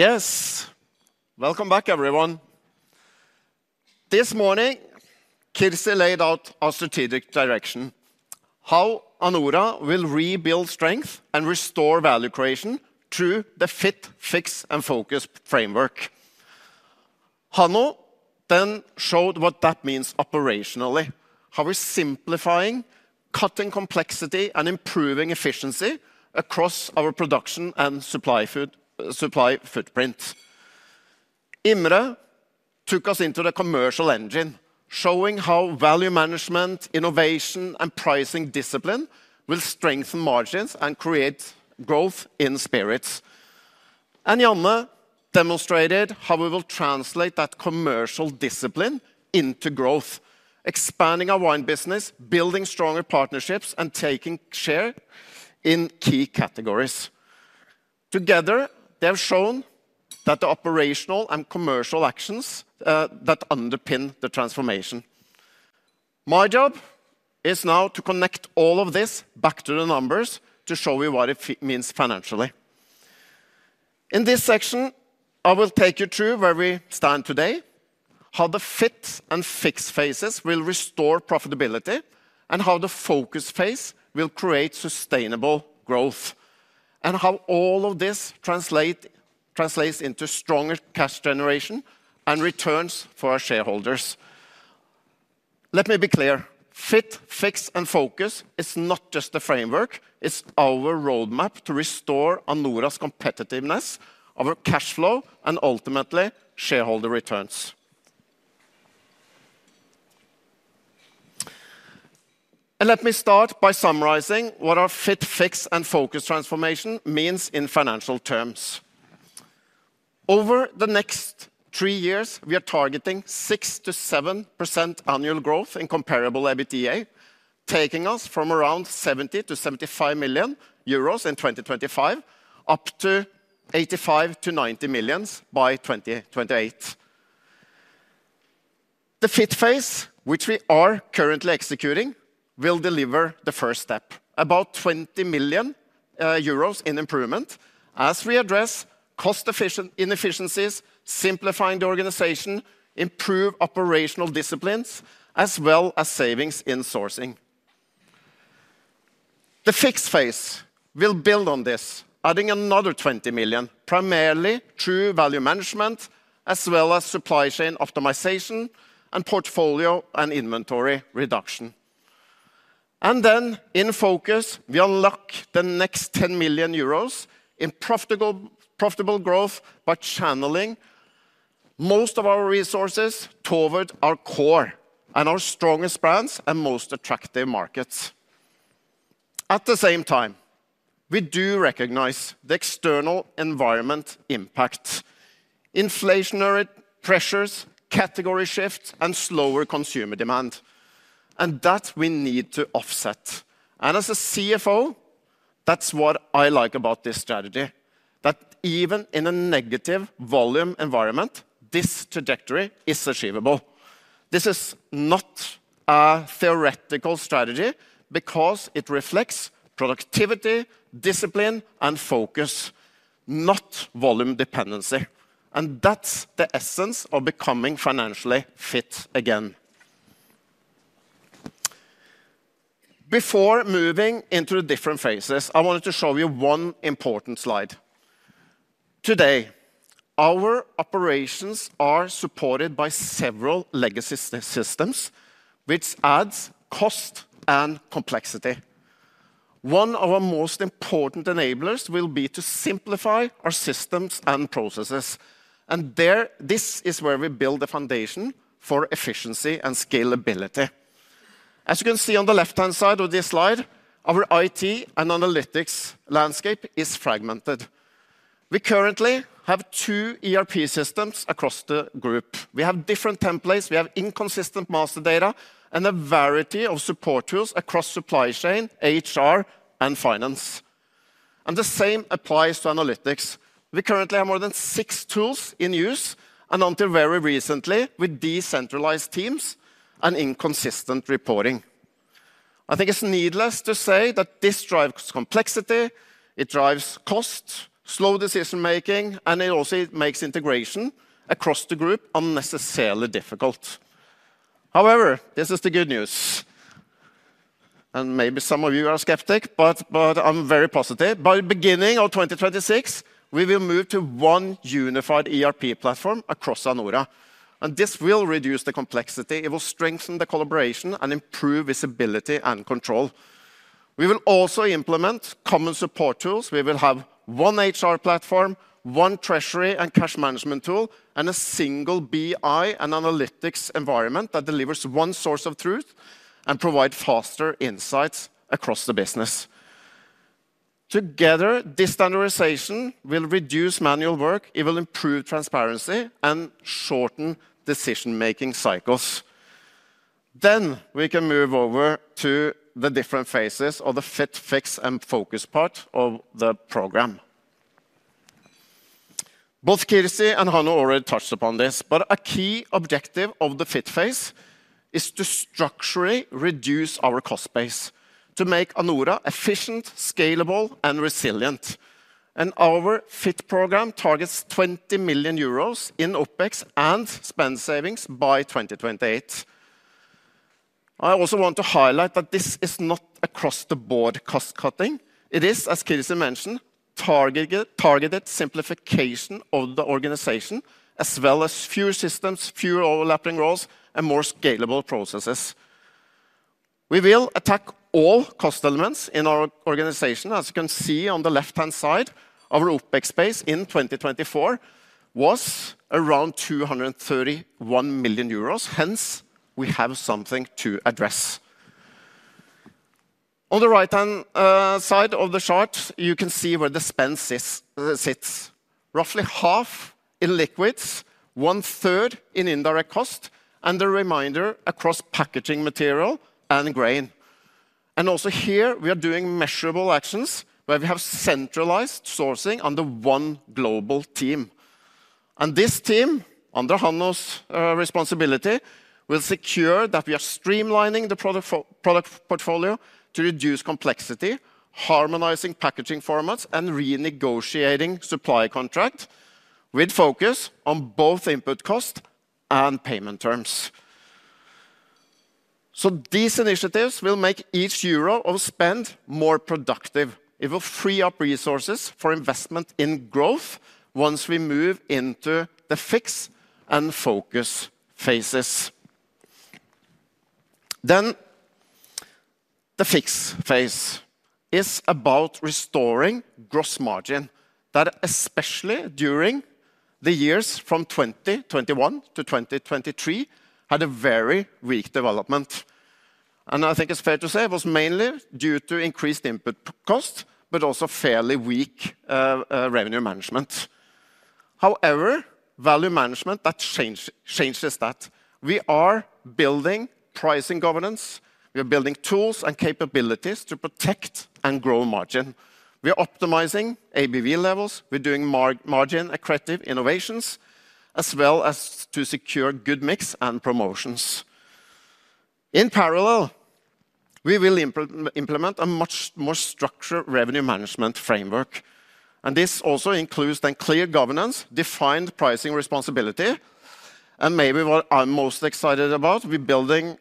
K: Yes. Welcome back everyone. This morning, Kirsi laid out our strategic direction. How Anora will rebuild strength and restore value creation through the Fit, Fix and Focus framework. Hannu then showed what that means operationally, how we're simplifying, cutting complexity and improving efficiency across our production and supply footprint. Imre took us into the commercial engine, showing how value management, innovation and pricing discipline will strengthen margins and create growth in spirits. Janne demonstrated how we will translate that commercial discipline into growth, expanding our wine business, building stronger partnerships and taking share in key categories. Together, they've shown that the operational and commercial actions that underpin the transformation. My job is now to connect all of this back to the numbers to show you what it means financially. In this section, I will take you through where we stand today. How the Fit & Fix phases will restore profitability and how the Focus phase will create sustainable growth. How all of this translates into stronger cash generation and returns for our shareholders. Let me be clear. Fit, Fix and Focus is not just the framework. It's our roadmap to restore Anora's competitiveness, our cash flow and ultimately shareholder returns. Let me start by summarizing what our Fit, Fix and Focus transformation means in financial terms. Over the next three years, we are targeting 6%-7% annual growth in comparable EBITDA, taking us from around 70 million-75 million euros in 2025, up to 85 million-90 million by 2028. The Fit phase, which we are currently executing, will deliver the first step, about 20 million euros in improvement as we address cost inefficiencies, simplifying the organization, improve operational disciplines, as well as savings in sourcing. The Fixed phase will build on this, adding another 20 million primarily through value management as well as supply chain optimization and portfolio and inventory reduction. In Focus, we unlock the next 10 million euros in profitable growth by channeling most of our resources toward our core and our strongest brands and most attractive markets. At the same time, we do recognize the external environment impact, inflationary pressures, category shift and slower consumer demand, and that we need to offset. As a CFO, that's what I like about this strategy, that even in a negative volume environment, this trajectory is achievable. This is not a theoretical strategy because it reflects productivity, discipline and focus, not volume dependency. That's the essence of becoming financially fit again. Before moving into the different phases, I wanted to show you one important slide. Today our operations are supported by several legacy systems which adds cost and complexity. One of our most important enablers will be to simplify our systems and processes. This is where we build the foundation for efficiency and scalability. As you can see on the left hand side of this slide, our IT and analytics landscape is fragmented. We currently have two ERP systems across the group. We have different templates, we have inconsistent master data and a variety of support tools across supply chain, HR and finance. The same applies to analytics. We currently have more than six tools in use and until very recently with decentralized teams and inconsistent reporting. I think it's needless to say that this drives complexity, it drives cost, slow decision making, and it also makes integration across the group unnecessarily difficult. However, this is the good news and maybe some of you are skeptic, but I'm very positive. By the beginning of 2026 we will move to one unified ERP platform across Anora and this will reduce the complexity, it will strengthen the collaboration and improve visibility and control. We will also implement common support tools. We will have one HR platform, one treasury and cash management tool, and a single BI and analytics environment that delivers one source of truth and provide faster insights across the business. Together this standardization will reduce manual work, it will improve transparency and shorten decision making cycles. We can move over to the different phases of the Fit, Fix and Focus part of the program. Both Kirsi and Hannu already touched upon this. A key objective of the Fit phase is to structurally reduce our cost base to make Anora efficient, scalable, and resilient. Our Fit program targets 20 million euros in OpEx and spend savings by 2028. I also want to highlight that this is not across-the-board cost cutting. It is, as Kirsi mentioned, targeted simplification of the organization as well as fewer systems, fewer overlapping roles, and more scalable processes. We will attack all cost elements in our organization. As you can see on the left-hand side, our OpEx base in 2024 was around 231 million euros. Hence, we have something to address. On the right-hand side of the chart, you can see where the spend sits: roughly half in liquids, one third in indirect cost, and a remainder across packaging material and grain. Here we are doing measurable actions where we have centralized sourcing under one global team. This team, under Hannu's responsibility, will secure that we are streamlining the product portfolio to reduce complexity, harmonizing packaging formats, and renegotiating supply contracts with focus on both input cost and payment terms. These initiatives will make each EUR of spend more productive. It will free up resources for investment in growth. Once we move into the Fix and Focus phases, the Fix phase is about restoring gross margin that especially during the years from 2021 to 2023 had a very weak development. I think it's fair to say it was mainly due to increased input cost, but also fairly weak revenue management. However, value management changes that. We are building pricing governance, we are building tools and capabilities to protect and grow margin. We are optimizing ABV levels, we're doing margin accretive innovations as well as to secure good mix and promotions. In parallel, we will implement a much more structured revenue management framework. This also includes then clear governance, defined pricing responsibility and maybe what I'm most excited about, we're building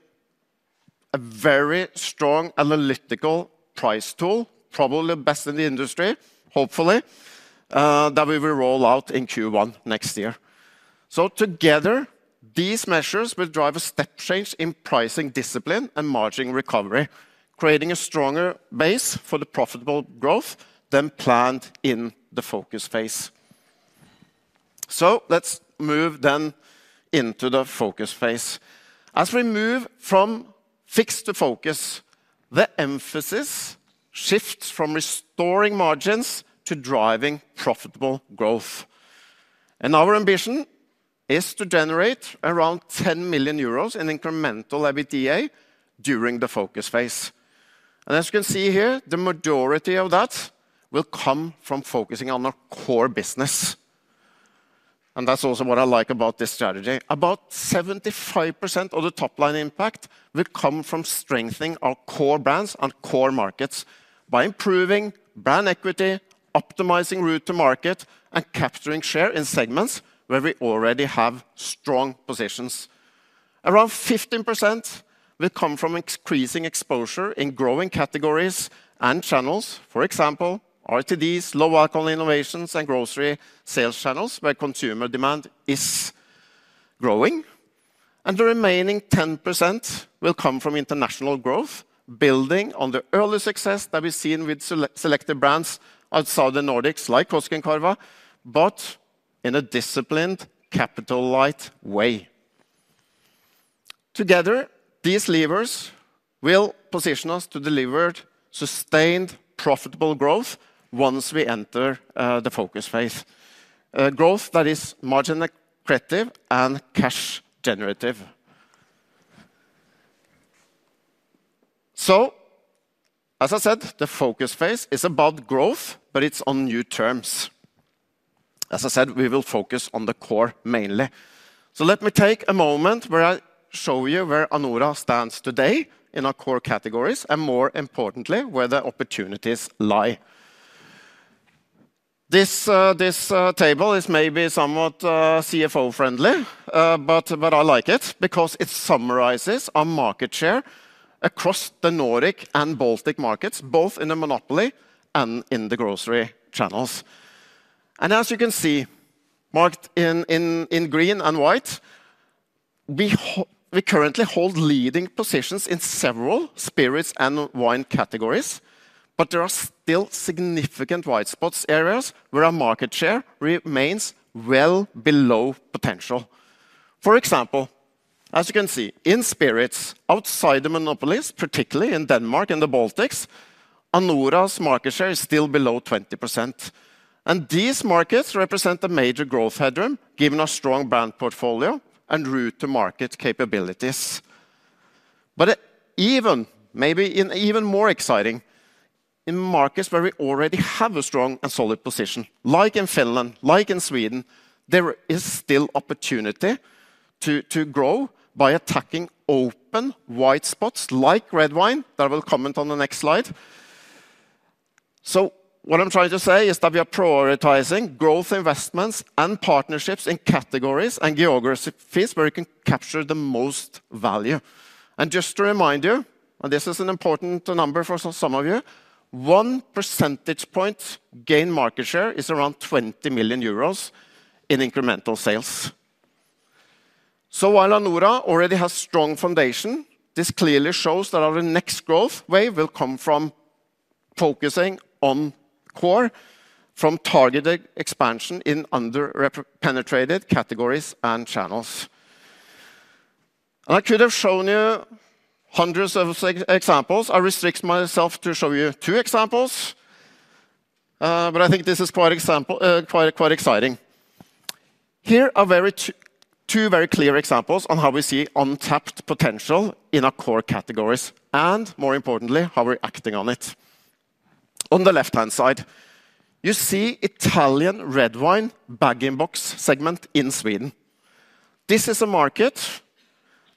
K: a very strong analytical price tool, probably the best in the industry, hopefully that we will roll out in Q1 next year. Together these measures will drive a step change in pricing discipline and margin recovery, creating a stronger base for the profitable growth than planned in the Focus phase. Let's move then into the Focus phase. As we move from Fixed to Focus, the emphasis shifts from restoring margins to driving profitable growth. Our ambition is to generate around 10 million euros in incremental EBITDA during the Focus phase. As you can see here, the majority of that will come from focusing on our core business. That is also what I like about this strategy, about 75% of the top line impact will come from strengthening our core brands and core markets by improving brand equity, optimizing route to market, and capturing share in segments where we already have strong positions. Around 15% will come from increasing exposure in growing categories and channels, e.g. RTD's, low alcohol innovations, and grocery sales channels where consumer demand is growing. The remaining 10% will come from international growth, building on the early success that we have seen with selected brands outside the Nordics, like Koskenkorva, but in a disciplined, capital light way. Together these levers will position us to deliver sustained, profitable growth once we enter the focus phase. Growth that is margin accretive and cash generative. As I said, the Focus phase is about growth, but it's on new terms. As I said, we will focus on the core mainly. Let me take a moment where I show you where Anora stands today in our core categories and, more importantly, where the opportunities lie. This table is maybe somewhat CFO friendly, but I like it because it summarizes our market share across the Nordic and Baltic markets, both in a monopoly and in the grocery channels. As you can see marked in green and white, we currently hold leading positions in several spirits and wine categories, but there are still significant white spots, areas where our market share remains well below potential. For example, as you can see in spirits outside the monopolies, particularly in Denmark and the Baltics, Anora's market share is still below 20% and these markets represent a major growth headroom given a strong brand portfolio and route to market capabilities. Maybe even more exciting, in markets where we already have a strong and solid position, like in Finland, like in Sweden, there is still opportunity to grow by attacking open white spots like red wine that I will comment on the next slide. What I'm trying to say is that we are prioritizing growth investments and partnerships in categories and geographies where you can capture the most value. Just to remind you, and this is an important number for some of you, 1 percentage point gain market share is around 20 million euros in incremental sales. While Anora already has a strong foundation, this clearly shows that our next growth wave will come from focusing on core from targeted expansion in underpenetrated categories and channels. I could have shown you hundreds of examples. I restrict myself to show you two examples, but I think this is quite exciting. Here are two very clear examples on how we see untapped potential in our core categories and, more importantly, how we're acting on it. On the left-hand side, you see Italian red wine bag-in-box segment in Sweden. This is a market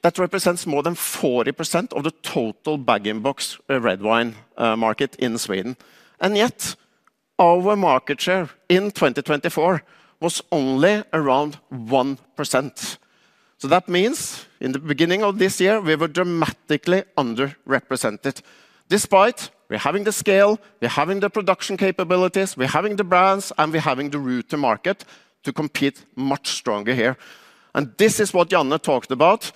K: that represents more than 40% of the total bag-in-box red wine market in Sweden. Yet our market share in 2024 was only around 1%. That means in the beginning of this year we were dramatically underrepresented despite we're having the scale, we're having the production capabilities, we're having the brands, and we're having the route to market to compete much stronger here. This is what Janne talked about,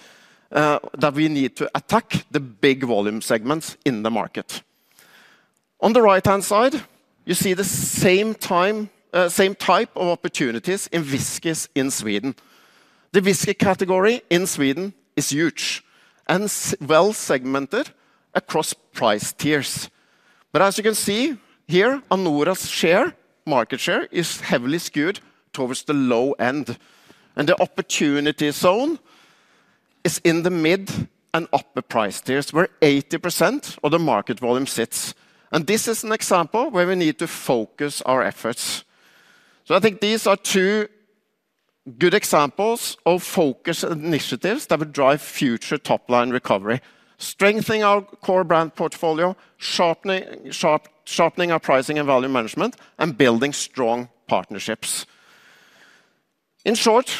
K: that we need to attack the big volume segments in the market. On the right-hand side you see the same type of opportunities in whiskies in Sweden. The whiskey category in Sweden is huge and well segmented across price tiers. As you can see here, Anora's market share is heavily skewed towards the low end and the opportunity zone is in the middle and upper price tiers where 80% of the market volume sits. This is an example where we need to focus our efforts. I think these are two good examples of Focus initiatives that would drive future top line recovery. Strengthening our core brand portfolio, sharpening our pricing and value management, and building strong partnerships. In short,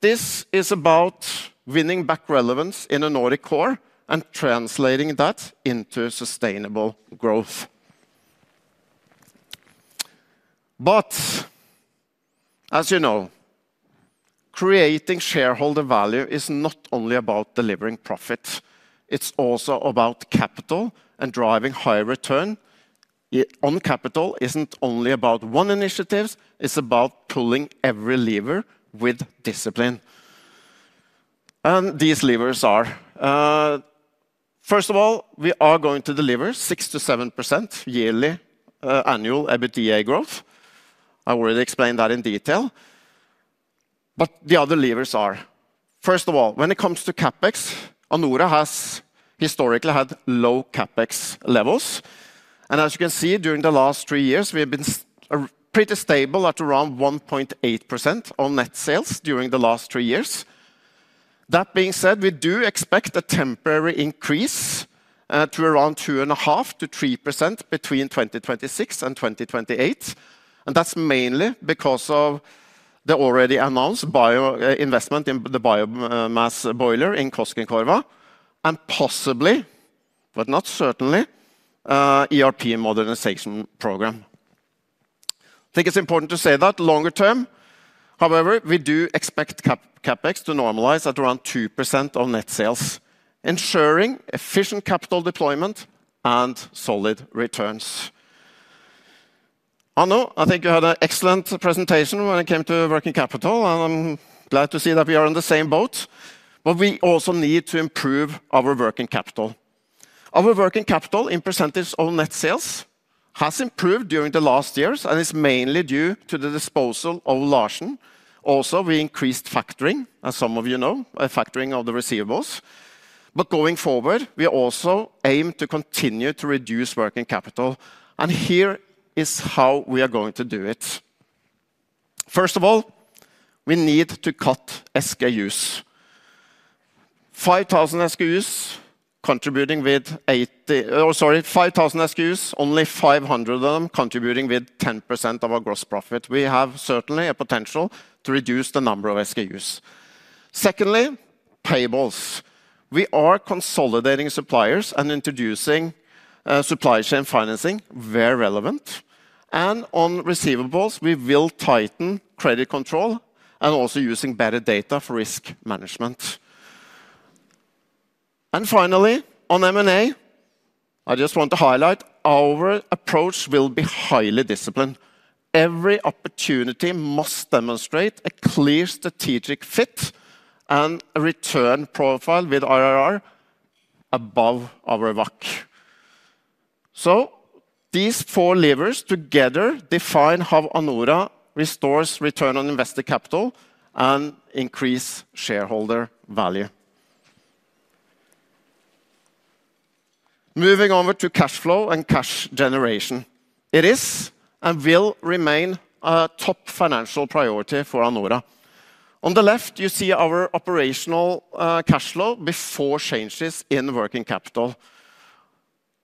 K: this is about winning back relevance in a Nordic core and translating that into sustainable growth. As you know, creating shareholder value is not only about delivering profit, it is also about capital. Driving higher return on capital is not only about one initiative, it is about pulling every lever with discipline. These levers are, first of all, we are going to deliver 6-7% yearly annual EBITDA growth. I already explained that in detail. The other levers are, first of all, when it comes to CapEx, Anora has historically had low CapEx levels and as you can see, during the last three years we have been pretty stable at around 1.8% of net sales during the last three years. That being said, we do expect a temporary increase to around 2.5-3% between 2026 and 2028. That is mainly because of the already announced bio investment in the biomass boiler in Koskenkorva and possibly, but not certainly, the ERP modernization program. I think it is important to say that longer term, however, we do expect CapEx to normalize at around 2% of net sales, ensuring efficient capital deployment and solid returns. Arno, I think you had an excellent presentation when it came to working capital. Glad to see that we are on the same boat. We also need to improve our working capital. Our working capital in % of net sales has improved during the last years and is mainly due to the disposal of Larsen. Also, we increased factoring, as some of you know, factoring all the receivables. Going forward, we also aim to continue to reduce working capital. Here is how we are going to do it. First of all, we need to cut SKUs. 5,000 SKUs contributing. With 5,000 SKUs, only 500 of them contributing with 10% of our gross profit. We have certainly a potential to reduce the number of SKUs. Secondly, payables, we are consolidating suppliers and introducing supply chain financing. Very relevant. On receivables, we will tighten credit control and also use better data for risk management. Finally, on M and A, I just want to highlight our approach will be highly disciplined. Every opportunity must demonstrate a clear strategic fit and a return profile with IRR above our work. These four levers together define how Anora restores return on invested capital and increases shareholder value. Moving over to cash flow and cash generation. It is and will remain a top financial priority for Anora. On the left you see our operational cash flow before changes in working capital.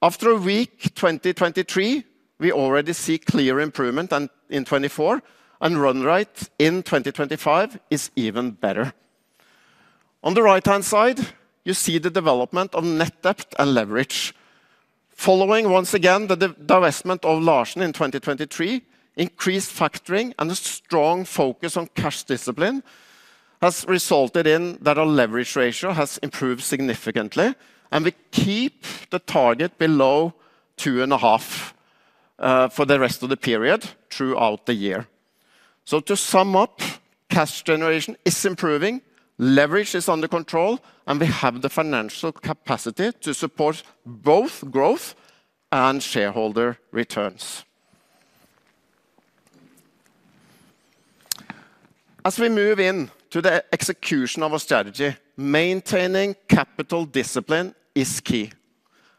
K: After a weak 2023, we already see clear improvement in 2024 and the run rate in 2025 is even better. On the right hand side you see the development of net debt and leverage following once again the divestment of Larsen in 2023. Increased factoring and a strong focus on cash discipline has resulted in our leverage ratio improving significantly and we keep the target below 2.5 for the rest of the period throughout the year. To sum up, cash generation is improving, leverage is under control and we have the financial capacity to support both growth and shareholder returns as we move into the execution of our strategy. Maintaining capital discipline is key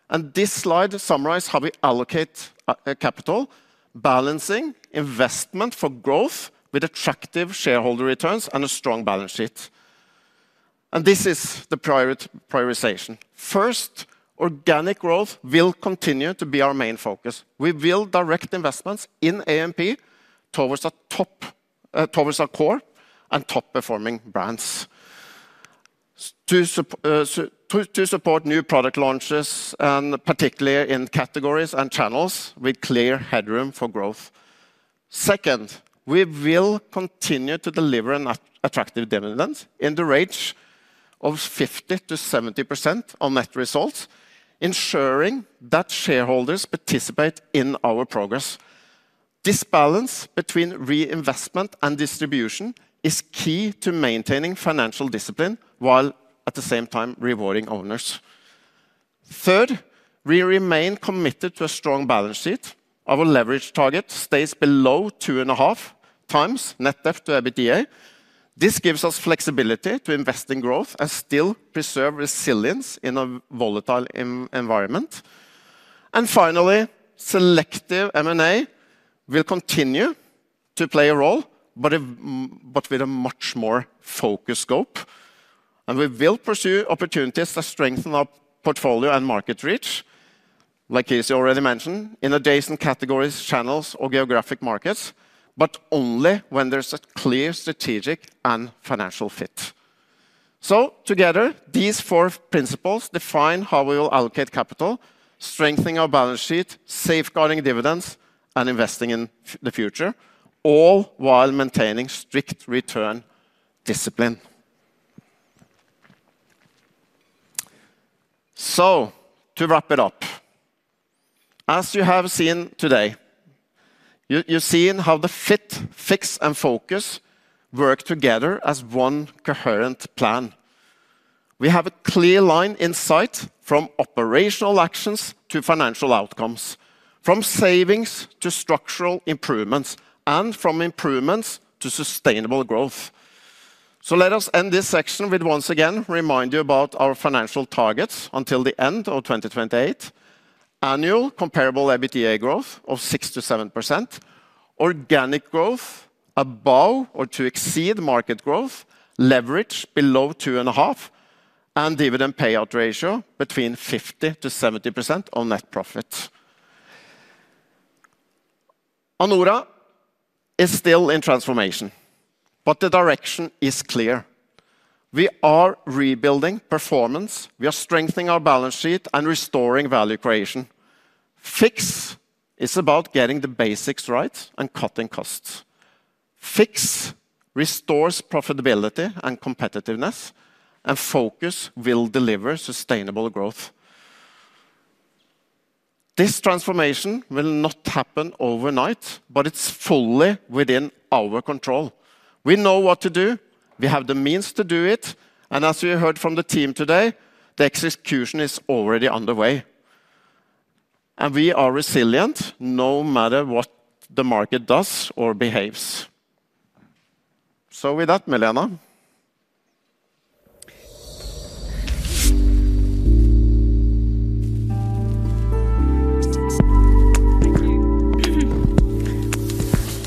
K: and this slide summarizes how we allocate capital, balancing investment for growth with attractive shareholder returns and a strong balance sheet. This is the prioritization. First, organic growth will continue to be our main focus. We will direct investments in AMP towards our core and top performing brands to support new product launches and particularly in categories and channels with clear headroom for growth. Second, we will continue to deliver an attractive dividend in the range of 50-70% on net results, ensuring that shareholders participate in our progress. This balance between reinvestment and distribution is key to maintaining financial discipline while at the same time rewarding owners. Third, we remain committed to a strong balance sheet. Our leverage target stays below 2.5 times net debt to EBITDA. This gives us flexibility to invest in growth and still preserve resilience in a volatile environment. Finally, selective M and A will continue to play a role, but with a much more focused scope. We will pursue opportunities to strengthen our portfolio and market reach, like Kirsi already mentioned, in adjacent categories, channels or geographic markets, but only when there is a clear strategic and financial fit. Together these four principles define how we will allocate capital, strengthening our balance sheet, safeguarding dividends and investing in the future, all while maintaining strict return discipline. To wrap it up, as you have seen today, you see how the Fit, Fix and Focus work together as one coherent plan. We have a clear line in sight from operational actions to financial outcomes, from savings to structural improvements, and from improvements to sustainable growth. Let us end this section with once again reminding you about our financial targets until the end of 2028. Annual comparable EBITDA growth of 6-7%, organic growth above or to exceed market growth, leverage below 2.5, and dividend payout ratio between 50-70% on net profit. Anora is still in transformation, but the direction is clear. We are rebuilding performance, we are strengthening our balance sheet, and restoring value creation. Fix is about getting the basics right and cutting costs. Fix restores profitability and competitiveness, and focus will deliver sustainable growth. This transformation will not happen overnight, but it is fully within our control. We know what to do. We have the means to do it. As we heard from the team today, the execution is already underway and we are resilient no matter what the market does or behaves. With that, Milena.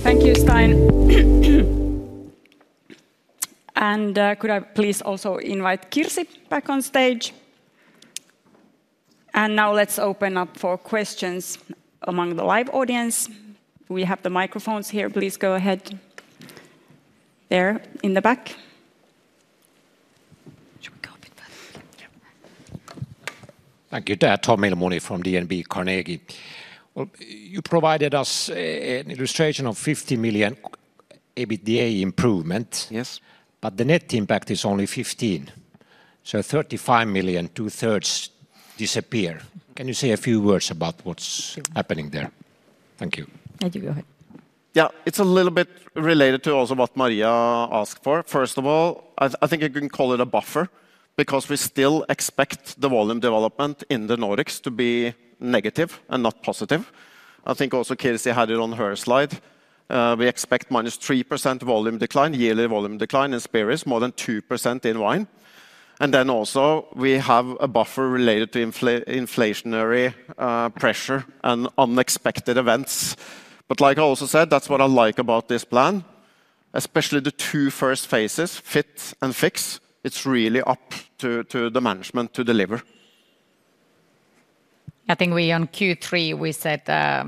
A: Thank you, Stein. Could I please also invite Kirsi back on stage? Now let's open up for questions among the live audience. We have the microphones here. Please go ahead there in the back.
L: Thank you. Tom Melamoney from DNB Carnegie. You provided us an illustration of 50 million EBITDA improvement. Yes, but the net impact is only 15 million. So 35 million, two-thirds, disappear. Can you say a few words about what's happening there? Thank you.
B: Thank you.
K: Yeah, it's a little bit related to also what Maria asked for. First of all, I think you can call it a buffer because we still expect the volume development in the Nordics to be negative and not positive. I think also Kirsi had it on her slide. We expect -3% volume decline, yearly volume decline in spirits, more than 2% in wine. And then also we have a buffer related to inflationary pressure and unexpected events. Like I also said, that's what I like about this plan, especially the two first phases, Fit & Fix. It's really up to the management to deliver.
B: I think we, on Q3 we said that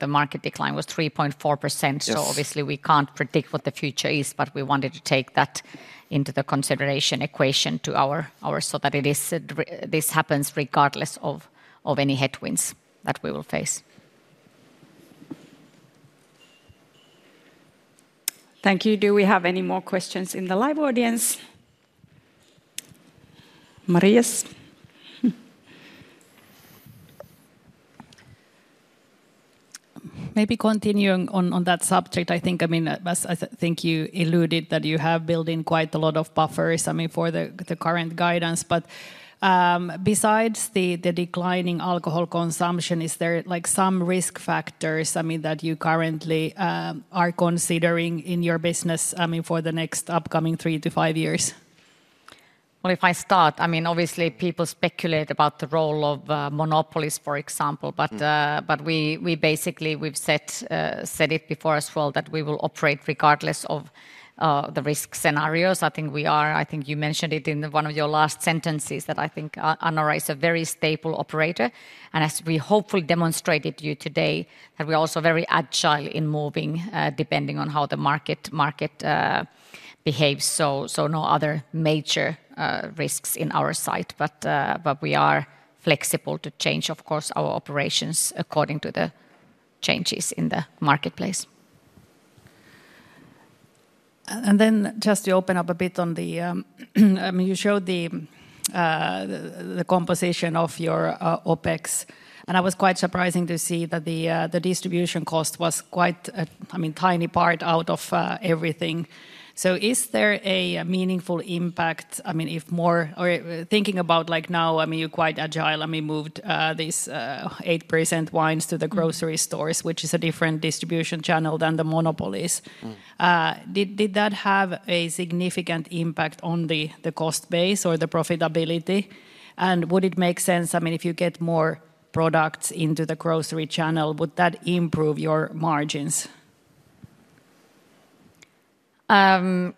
B: the market decline was 3.4%. Obviously we can't predict what the future is. We wanted to take that into the consideration equation to our. That this happens regardless of any headwinds that we will face.
A: Thank you. Do we have any more questions in the live audience? Marias.
F: Maybe continuing on that subject, I think, I mean, I think you alluded that you have built in quite a lot of buffers, I mean, for the current guidance. Besides the declining alcohol consumption, is there like some risk factors, I mean that you currently are considering in your business for the next upcoming three to five years?
B: If I start, I mean obviously people speculate about the role of monopolies, for example, but we basically, we've said it before as well that we will operate regardless of the risk scenarios. I think we are. I think you mentioned it in one of your last sentences that I think Anora is a very stable operator. As we hopefully demonstrated to you today, we're also very agile in moving depending on how the market behaves. No other major risks in our sight, but we are flexible to change, of course, our operations according to the changes in the marketplace.
F: Just to open up a bit on the, you showed the composition of your OpEx and I was quite surprised to see that the distribution cost was quite, I mean, a tiny part out of everything. Is there a meaningful impact? I mean, if more, or thinking about like now, I mean, you are quite agile, I mean, moved these 8% wines to the grocery stores, which is a different distribution channel than the monopolies. Did that have a significant impact on the cost base or the profitability? Would it make sense, I mean, if you get more products into the grocery channel, would that improve your margins?
B: The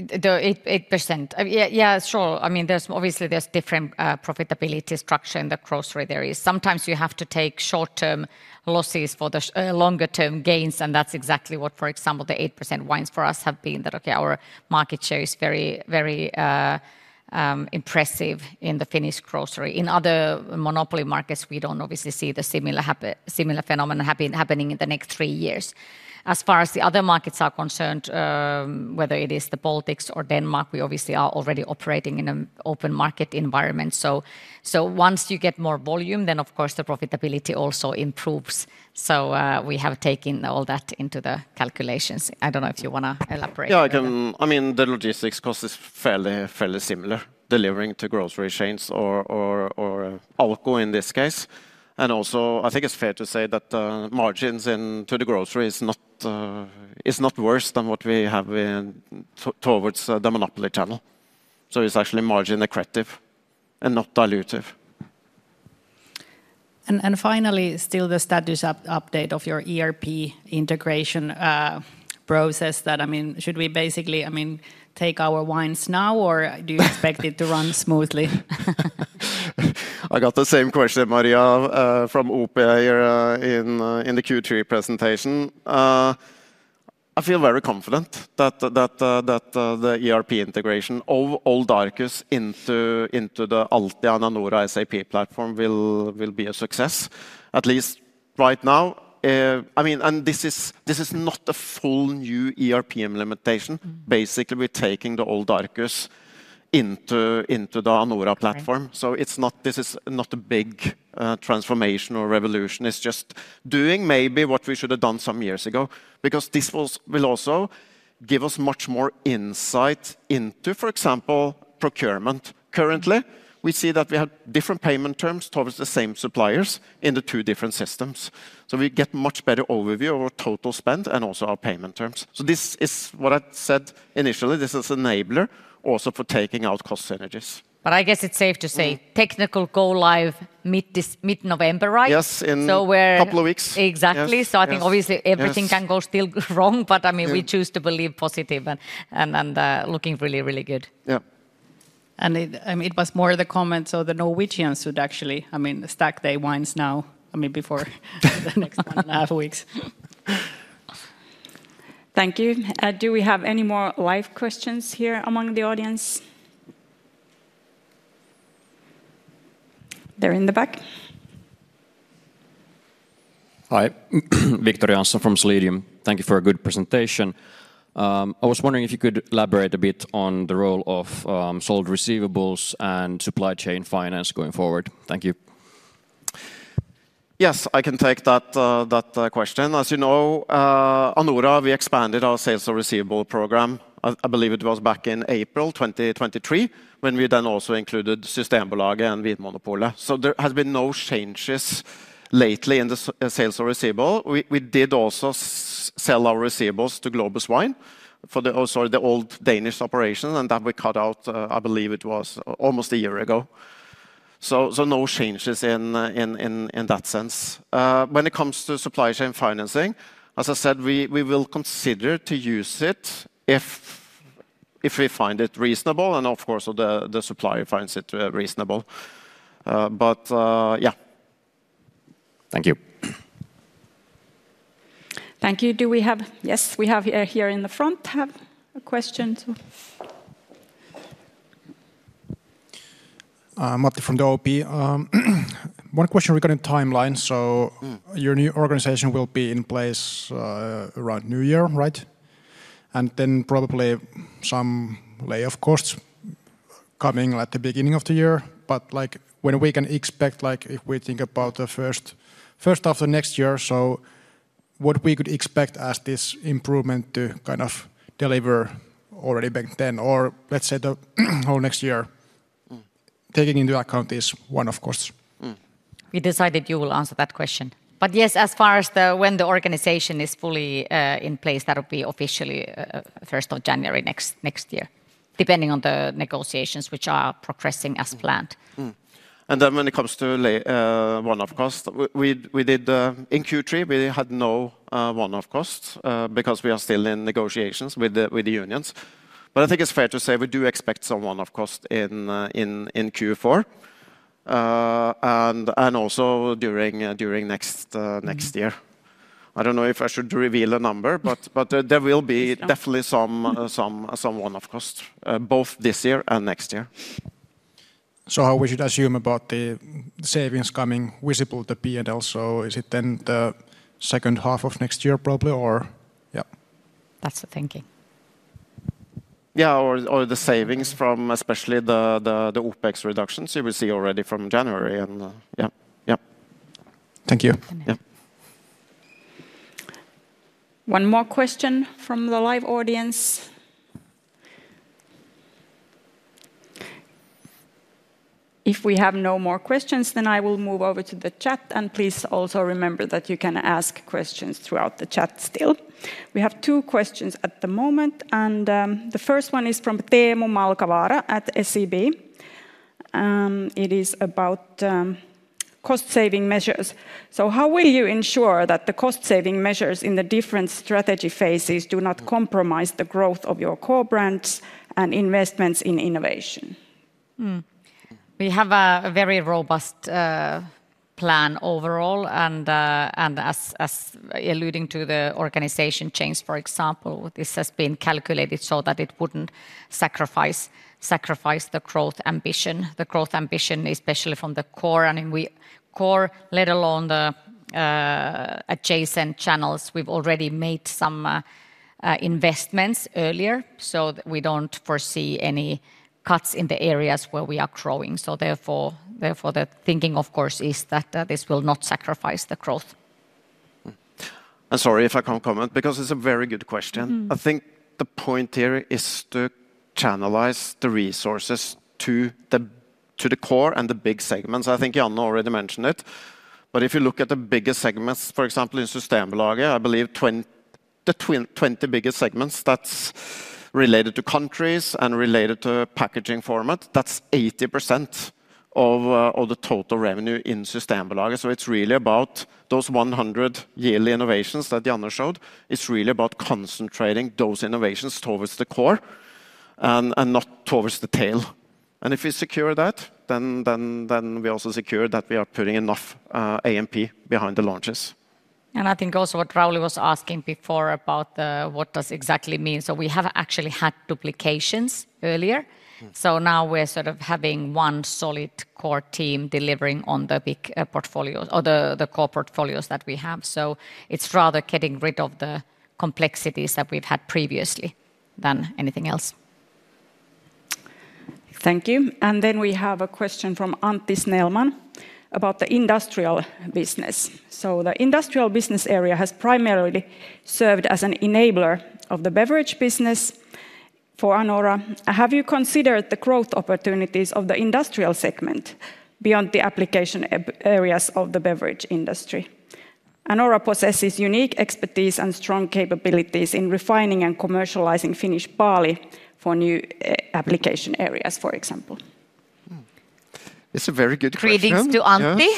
B: 8%? Yeah, sure. I mean, there's obviously different profitability structure in the grocery. There is. Sometimes you have to take short-term losses for the longer-term gains. That's exactly what, for example, the 8% wines for us have been, that, okay, our market share is very, very impressive in the Finnish grocery. In other monopoly markets, we don't obviously see the similar phenomenon happening in the next three years. As far as the other markets are concerned, whether it is the Baltics or Denmark, we obviously are already operating in an open market environment. Once you get more volume, then of course the profitability also improves. We have taken all that into the calculations. I don't know if you want to elaborate.
K: Yeah, I can. I mean the logistics cost is fairly, fairly similar delivering to grocery chains or alcohol in this case. I also think it's fair to say that margins into the grocery is not, is not worse than what we have towards the monopoly channel. It is actually margin accretive and not dilutive.
F: Finally, still the status update of your ERP integration process that I mean should we basically, I mean, take our wines now or do you expect it to run smoothly?
K: I got the same question, Maria from Uber, in the Q3 presentation. I feel very confident that the ERP integration of all Arcus into the Altia Anora SAP platform will be a success, at least right now. I mean, and this is not a full new ERP implementation. Basically, we're taking the older into the Anora platform. This is not a big transformation or revolution. It's just doing maybe what we should have done some years ago because this will also give us much more insight into, for example, procurement. Currently, we see that we have different payment terms towards the same suppliers in the two different systems. We get much better overview of our total spend and also our payment terms. This is what I said initially. This is enabler also for taking out cost synergies
B: But I guess it's safe to say technical go live mid November, right?
K: Yes, in a couple of weeks.
B: Exactly. I think obviously everything can go still wrong, but I mean we choose to believe positive and, and looking really, really good.
K: Yeah.
F: And it was more the comments of the Norwegian suit actually. I mean, stack day wines now. I mean, before the next one and a half weeks.
A: Thank you. Do we have any more live questions here among the audience? They're in the back.
M: Hi, Victor Janssen from Selenium. Thank you for a good presentation. I was wondering if you could elaborate a bit on the role of sold receivables and supply chain finance going forward. Thank you.
K: Yes, I can take that. That question. As you know, on our, we expanded our sales of receivable program. I believe it was back in April 2023 when we then also included Sustainable Ag and Vinmonopolet. There has been no changes lately in the sales of receivable. We did also sell our receivables to Globus Wine for the, sorry, the old Danish operation and that we cut out. I believe it was almost a year ago. No changes in that sense. When it comes to supply chain financing, as I said, we will consider to use it if we find it reasonable and of course the supplier finds it reasonable, but yeah.
M: Thank you.
A: Thank you. Do we have—yes, we have here in the front have a question.
I: Matti from the OP, one question regarding timeline. Your new organization will be in place around New Year, right? Then probably some layoff course coming at the beginning of the year. Like, when we can expect, like, if we think about the first half of next year, what we could expect as this improvement to kind of deliver already back then, or let's say the whole next year taking into account is one of course.
B: We decided you will answer that question. Yes, as far as the, when the organization is fully in place that will be officially 1st of January next next year depending on the negotiations which are progressing as planned.
K: When it comes to one off cost, we did in Q3, we had no one off costs because we are still in negotiations with the unions. I think it's fair to say we do expect some one off cost in Q4 and also during next year. I don't know if I should reveal a number, but there will be definitely some one off cost both this year and next year.
I: How should we assume about the savings coming visible, the p. And also is it then the second half of next year probably or yeah.
B: That's the thinking.
K: Yeah. The savings from especially the OpEx reductions you will see already from January. Yeah.
I: Thank you.
A: One more question from the live audience. If we have no more questions, then I will move over to the chat. Please also remember that you can ask questions throughout the chat. Still, we have two questions at the moment, and the first one is from them at SEB. It is about cost saving measures. How will you ensure that the cost saving measures in the different strategy phases do not compromise the growth of your core brands and investments in innovation?
B: We have a very robust plan overall. As alluding to the organization chains, for example, this has been calculated so that it would not sacrifice the growth ambition. The growth ambition especially from the core and core, let alone the adjacent channels. We have already made some investments earlier so that we do not foresee any cuts in the areas where we are growing. Therefore the thinking of course is that this will not sacrifice the growth.
K: I'm sorry if I can't comment because it's a very good question. I think the point here is to channelize the resources to the core and the big segments. I think Janne already mentioned it. If you look at the biggest segments, for example in Sustainable Lager, I believe the 20 biggest segments, that's related to countries and related to packaging format. That's 80% of all the total revenue in Sustainable Lager. It's really about those 100 yearly innovations that Janne showed. It's really about concentrating those innovations towards the core and not towards the tail. If we secure that, then we also secure that we are putting enough AMP behind the launches.
B: I think also what Rauli was asking before about what does exactly mean? We have actually had duplications earlier. Now we're sort of having one solid core team delivering on the big portfolios or the core portfolios that we have. It is rather getting rid of the complexities that we've had previously than anything else.
A: Thank you. There is a question from Antti Snellman about the industrial business. The industrial business area has primarily served as an enabler of the beverage business for Anora. Have you considered the growth opportunities of the industrial segment beyond the application areas of the beverage industry? Anora possesses unique expertise and strong capabilities in refining and commercializing Finnish barley for new application areas, for example.
K: It's a very good question.
B: Greetings to Antti.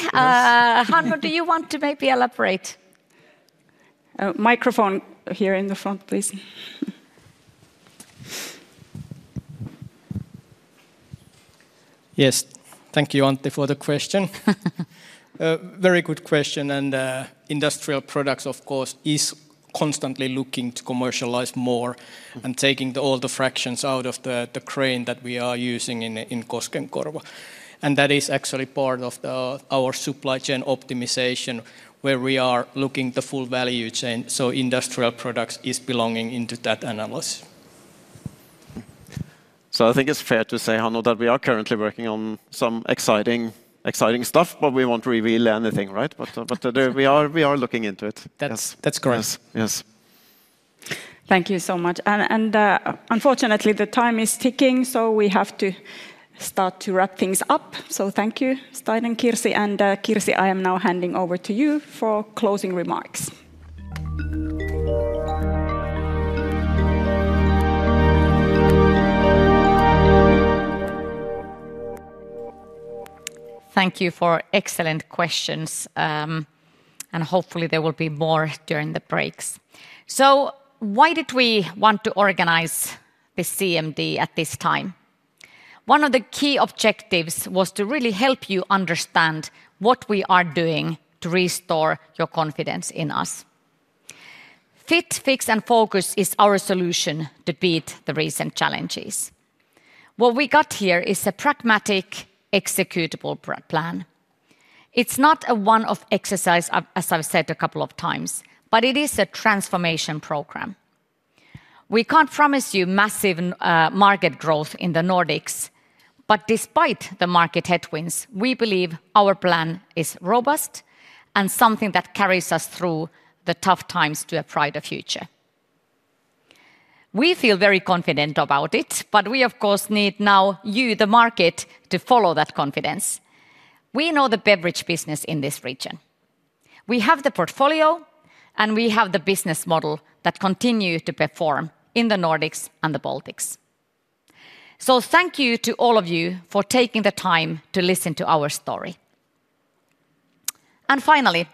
B: Hannu, do you want to maybe elaborate?
A: Microphone here in the front, please.
C: Yes, thank you Anthe for the question. Very good question. Industrial products of course is constantly looking to commercialize more and taking the older fractions out of the grain that we are using in Koskenkorva and that is actually part of our supply chain optimization where we are looking the full value chain. Industrial products is belonging into that analyst.
K: I think it's fair to say, Hannu, that we are currently working on some exciting stuff but we won't reveal anything. Right, but we are looking into it. That's correct, yes.
A: Thank you so much. Unfortunately the time is ticking so we have to start to wrap things up. Thank you Stein and Kirsi. Kirsi, I am now handing over to you for closing remarks.
B: Thank you for excellent questions and hopefully there will be more during the breaks. Why did we want to organize the CMD at this time? One of the key objectives was to really help you understand what we are doing to restore your confidence in us. Fit, Fix and Focus is our solution to beat the recent challenges. What we got here is a pragmatic, executable plan. It is not a one-off exercise, as I have said a couple of times, but it is a transformation program. We cannot promise you massive market growth in the Nordics, but despite the market headwinds, we believe our plan is robust and something that carries us through the tough times to a brighter future. We feel very confident about it, but we of course need now you, the market, to follow that confidence. We know the beverage business in this region, we have the portfolio and we have the business model that continue to perform in the Nordics and the Baltics. Thank you to all of you for taking the time to listen to our story and finally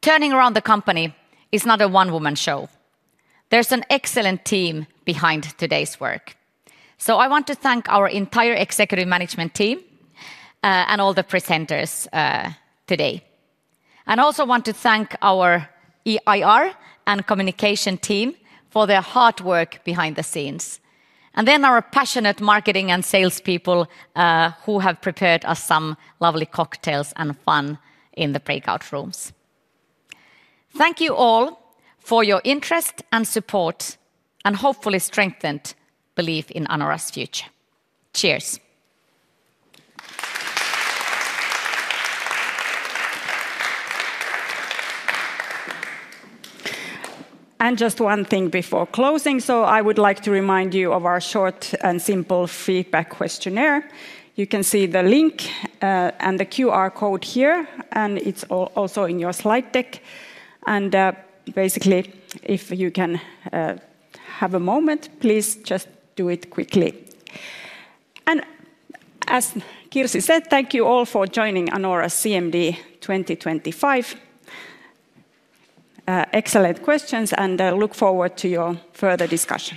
B: turning around the company is not a one woman show. There is an excellent team behind today's work. I want to thank our entire executive management team and all the presenters today and also want to thank our EIR and communication team for their hard work behind the scenes and then our passionate marketing and salespeople who have prepared us some lovely cocktails and fun in the breakout rooms. Thank you all for your interest and support and hopefully strengthened belief in Anora's future. Cheers.
A: Just one thing before closing, I would like to remind you of our short and simple feedback questionnaire. You can see the link and the QR code here and it is also in your slide deck. Basically, if you can have a moment, please just do it quickly. As Kirsi said, thank you all for joining Anora CMD2025. Excellent questions and look forward to your further discussion.